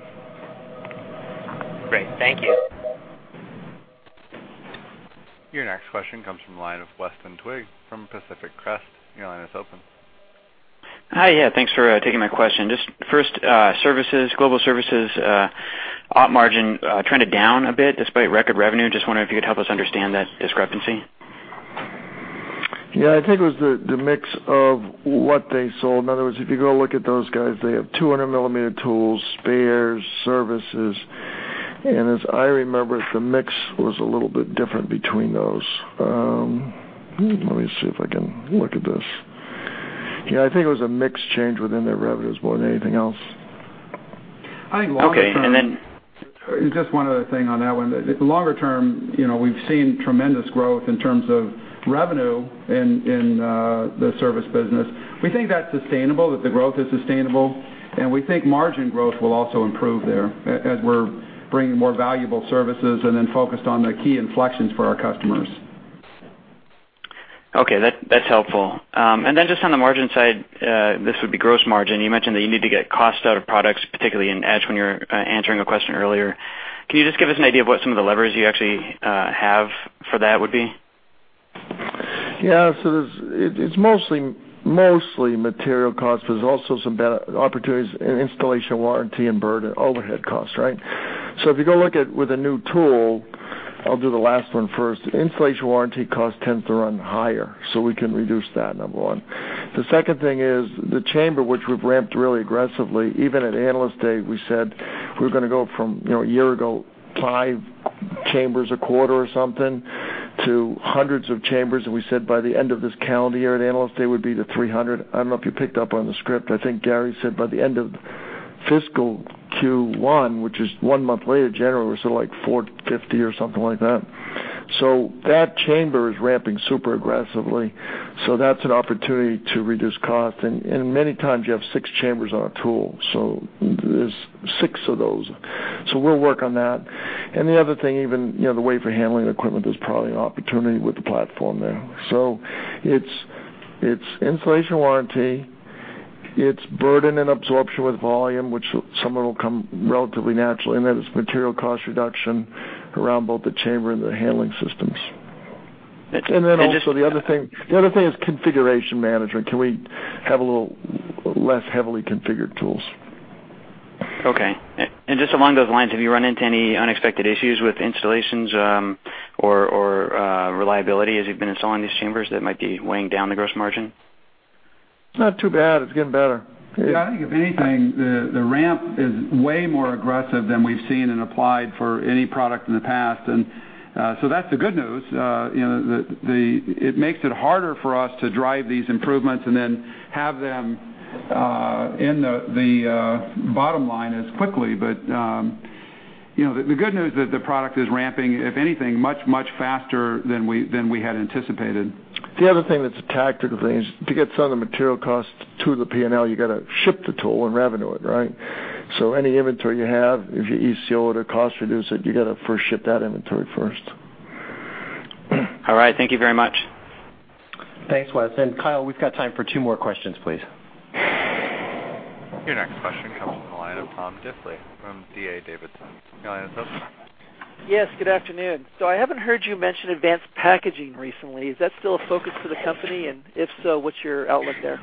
Great. Thank you. Your next question comes from the line of Weston Twigg from Pacific Crest. Your line is open. Hi. Yeah, thanks for taking my question. Just first, services, global services, operating margin, trended down a bit despite record revenue. Just wondering if you could help us understand that discrepancy? Yeah, I think it was the mix of what they sold. In other words, if you go look at those guys, they have 200-mm tools, spares, services, and as I remember it, the mix was a little bit different between those. Let me see if I can look at this. Yeah, I think it was a mix change within their revenues more than anything else. Okay. I think longer term, just one other thing on that one, the longer term, you know, we've seen tremendous growth in terms of revenue in the service business. We think that's sustainable, that the growth is sustainable, and we think margin growth will also improve there as we're bringing more valuable services and then focused on the key inflections for our customers. Okay. That's helpful. Then just on the margin side, this would be gross margin. You mentioned that you need to get cost out of products, particularly in etch when you were answering a question earlier. Can you just give us an idea of what some of the levers you actually have for that would be? Yeah. There's mostly material costs. There's also some opportunities in installation warranty and burden, overhead costs, right? If you go look at with a new tool, I'll do the last one first. Installation warranty costs tends to run higher, so we can reduce that, number one. The second thing is the chamber, which we've ramped really aggressively. Even at Analyst Day, we said we're going to go from, you know, a year ago, five chambers a quarter or something to hundreds of chambers, and we said by the end of this calendar year at Analyst Day would be to 300. I don't know if you picked up on the script. I think Gary said by the end of fiscal Q1, which is one month later, January, so like 450 or something like that. That chamber is ramping super aggressively, so that's an opportunity to reduce cost. Many times you have six chambers on a tool, so there are six of those. We'll work on that. The other thing, even, you know, the way for handling equipment is probably an opportunity with the platform there. It's installation warranty, it's burden and absorption with volume, which some of it'll come relatively naturally, and then it's material cost reduction around both the chamber and the handling systems. And just- Also the other thing is configuration management. Can we have a little less heavily configured tools? Okay. Just along those lines, have you run into any unexpected issues with installations, or reliability as you've been installing these chambers that might be weighing down the gross margin? It's not too bad. It's getting better. Yeah, I think if anything, the ramp is way more aggressive than we've seen in Applied for any product in the past. That's the good news. You know, it makes it harder for us to drive these improvements and then have them in the bottom line as quickly. You know, the good news that the product is ramping, if anything, much faster than we had anticipated. The other thing that's a tactical thing is to get some of the material costs to the P&L, you gotta ship the tool and revenue it, right? Any inventory you have, if you ECO it or cost reduce it, you gotta first ship that inventory first. All right. Thank you very much. Thanks, Weston. Kyle, we've got time for two more questions, please. Your next question comes from the line of Tom Diffely from D.A. Davidson. Your line is open. Yes, good afternoon. I haven't heard you mention advanced packaging recently. Is that still a focus for the company? If so, what's your outlook there?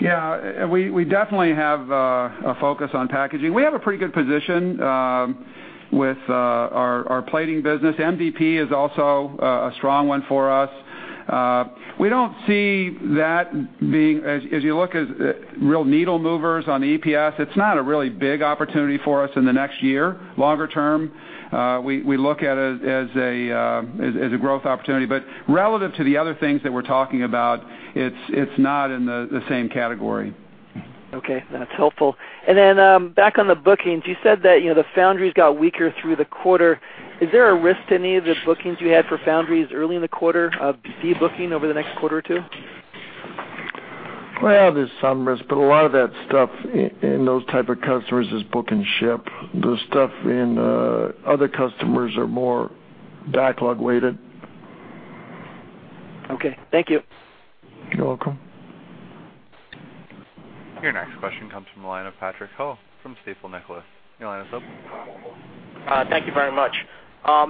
Yeah. We definitely have a focus on packaging. We have a pretty good position with our plating business. MVP is also a strong one for us. We don't see that as you look, real needle movers on the EPS, it's not a really big opportunity for us in the next year. Longer term, we look at it as a growth opportunity. Relative to the other things that we're talking about, it's not in the same category. Okay. That's helpful. Back on the bookings, you said that, you know, the foundries got weaker through the quarter. Is there a risk to any of the bookings you had for foundries early in the quarter of de-booking over the next quarter or two? Well, there's some risk, but a lot of that stuff in those types of customers is book and ship. The stuff in other customers are more backlog weighted. Okay. Thank you. You're welcome. Your next question comes from the line of Patrick Ho from Stifel Nicolaus. Your line is open. Thank you very much.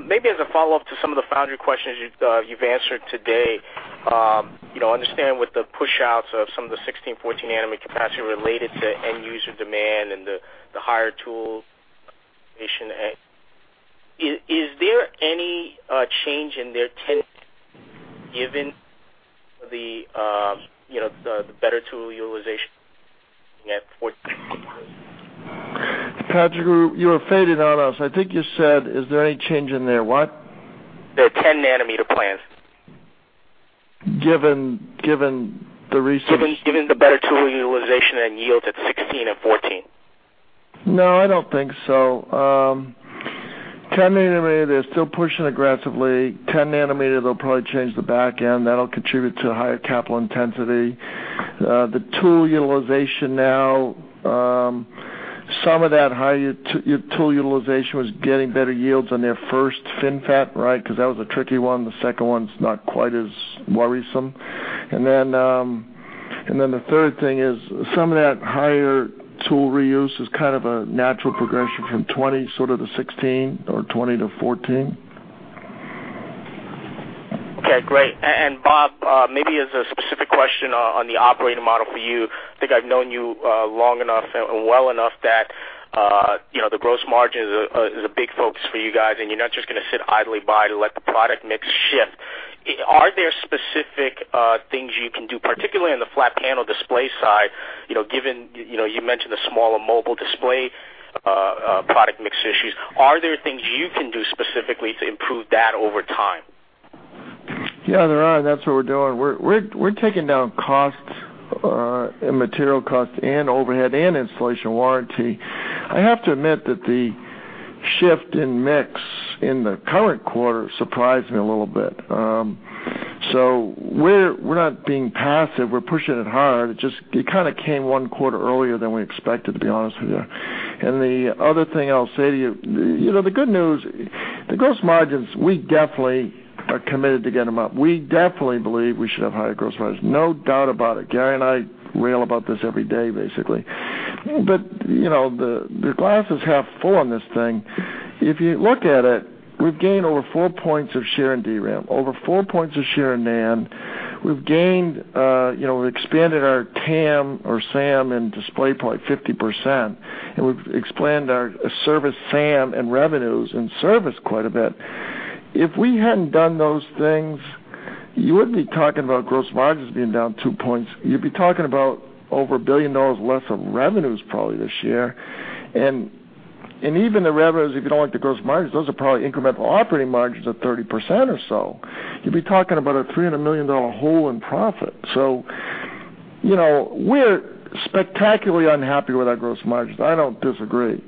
Maybe as a follow-up to some of the foundry questions you've answered today, you know, understand with the push outs of some of the 16 nm, 14 nm capacity related to end user demand and the higher tools, is there any change in their intent given the, you know, the better tool utilization at 14 nm? Patrick, you were faded out us. I think you said, is there any change in their what? Their 10 nm plans. Given, given the recent- Given the better tool utilization and yields at 16 nm and 14 nm. No, I don't think so. 10 nm, they're still pushing aggressively. 10 nm, they'll probably change the back end. That'll contribute to higher capital intensity. The tool utilization now, some of that high tool utilization was getting better yields on their first FinFET, right? 'Cause that was a tricky one. The second one's not quite as worrisome. Then the third thing is some of that higher tool reuse is kind of a natural progression from 20 nm sort of to 16 nm or 20 nm-14 nm. Okay, great. Bob, maybe as a specific question on the operating model for you. I think I've known you long enough and well enough that, you know, the gross margin is a big focus for you guys, and you're not just gonna sit idly by to let the product mix shift. Are there specific things you can do, particularly on the flat panel display side, you know, given, you know, you mentioned the smaller mobile display product mix issues? Are there things you can do specifically to improve that over time? Yeah, there are, and that's what we're doing. We're taking down costs, and material costs and overhead and installation warranty. I have to admit that the shift in mix in the current quarter surprised me a little bit. We're not being passive. We're pushing it hard. It kinda came one quarter earlier than we expected, to be honest with you. The other thing I'll say to you know, the good news, the gross margins, we definitely are committed to get them up. We definitely believe we should have higher gross margins, no doubt about it. Gary and I rail about this every day, basically. You know, the glass is half full on this thing. If you look at it, we've gained over four points of share in DRAM, over four points of share in NAND. We've gained, you know, expanded our TAM or SAM in display by 50%, and we've expanded our service SAM and revenues in service quite a bit. If we hadn't done those things, you wouldn't be talking about gross margins being down two points. You'd be talking about over $1 billion less of revenues probably this year. Even the revenues, if you don't like the gross margins, those are probably incremental operating margins of 30% or so. You'd be talking about a $300 million hole in profit. You know, we're spectacularly unhappy with our gross margins. I don't disagree.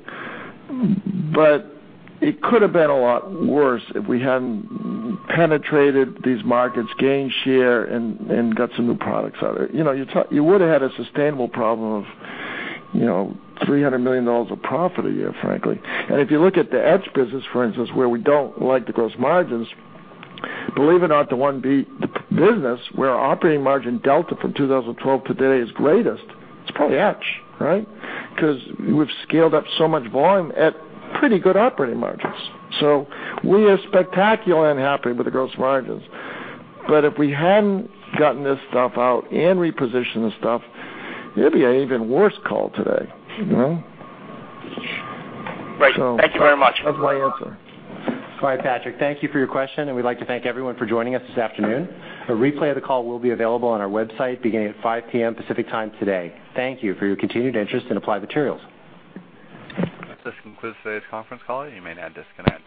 It could have been a lot worse if we hadn't penetrated these markets, gained share and got some new products out of it. You know, you would've had a sustainable problem of, you know, $300 million of profit a year, frankly. If you look at the etch business, for instance, where we don't like the gross margins, believe it or not, the 1B business where our operating margin delta from 2012 to today is greatest, it's probably etch, right? 'Cause we've scaled up so much volume at pretty good operating margins. We are spectacularly unhappy with the gross margins. If we hadn't gotten this stuff out and repositioned the stuff, it'd be an even worse call today, you know? Right. Thank you very much. That's my answer. All right, Patrick, thank you for your question, and we'd like to thank everyone for joining us this afternoon. A replay of the call will be available on our website beginning at 5:00 P.M. Pacific Time today. Thank you for your continued interest in Applied Materials. This concludes today's conference call. You may now disconnect.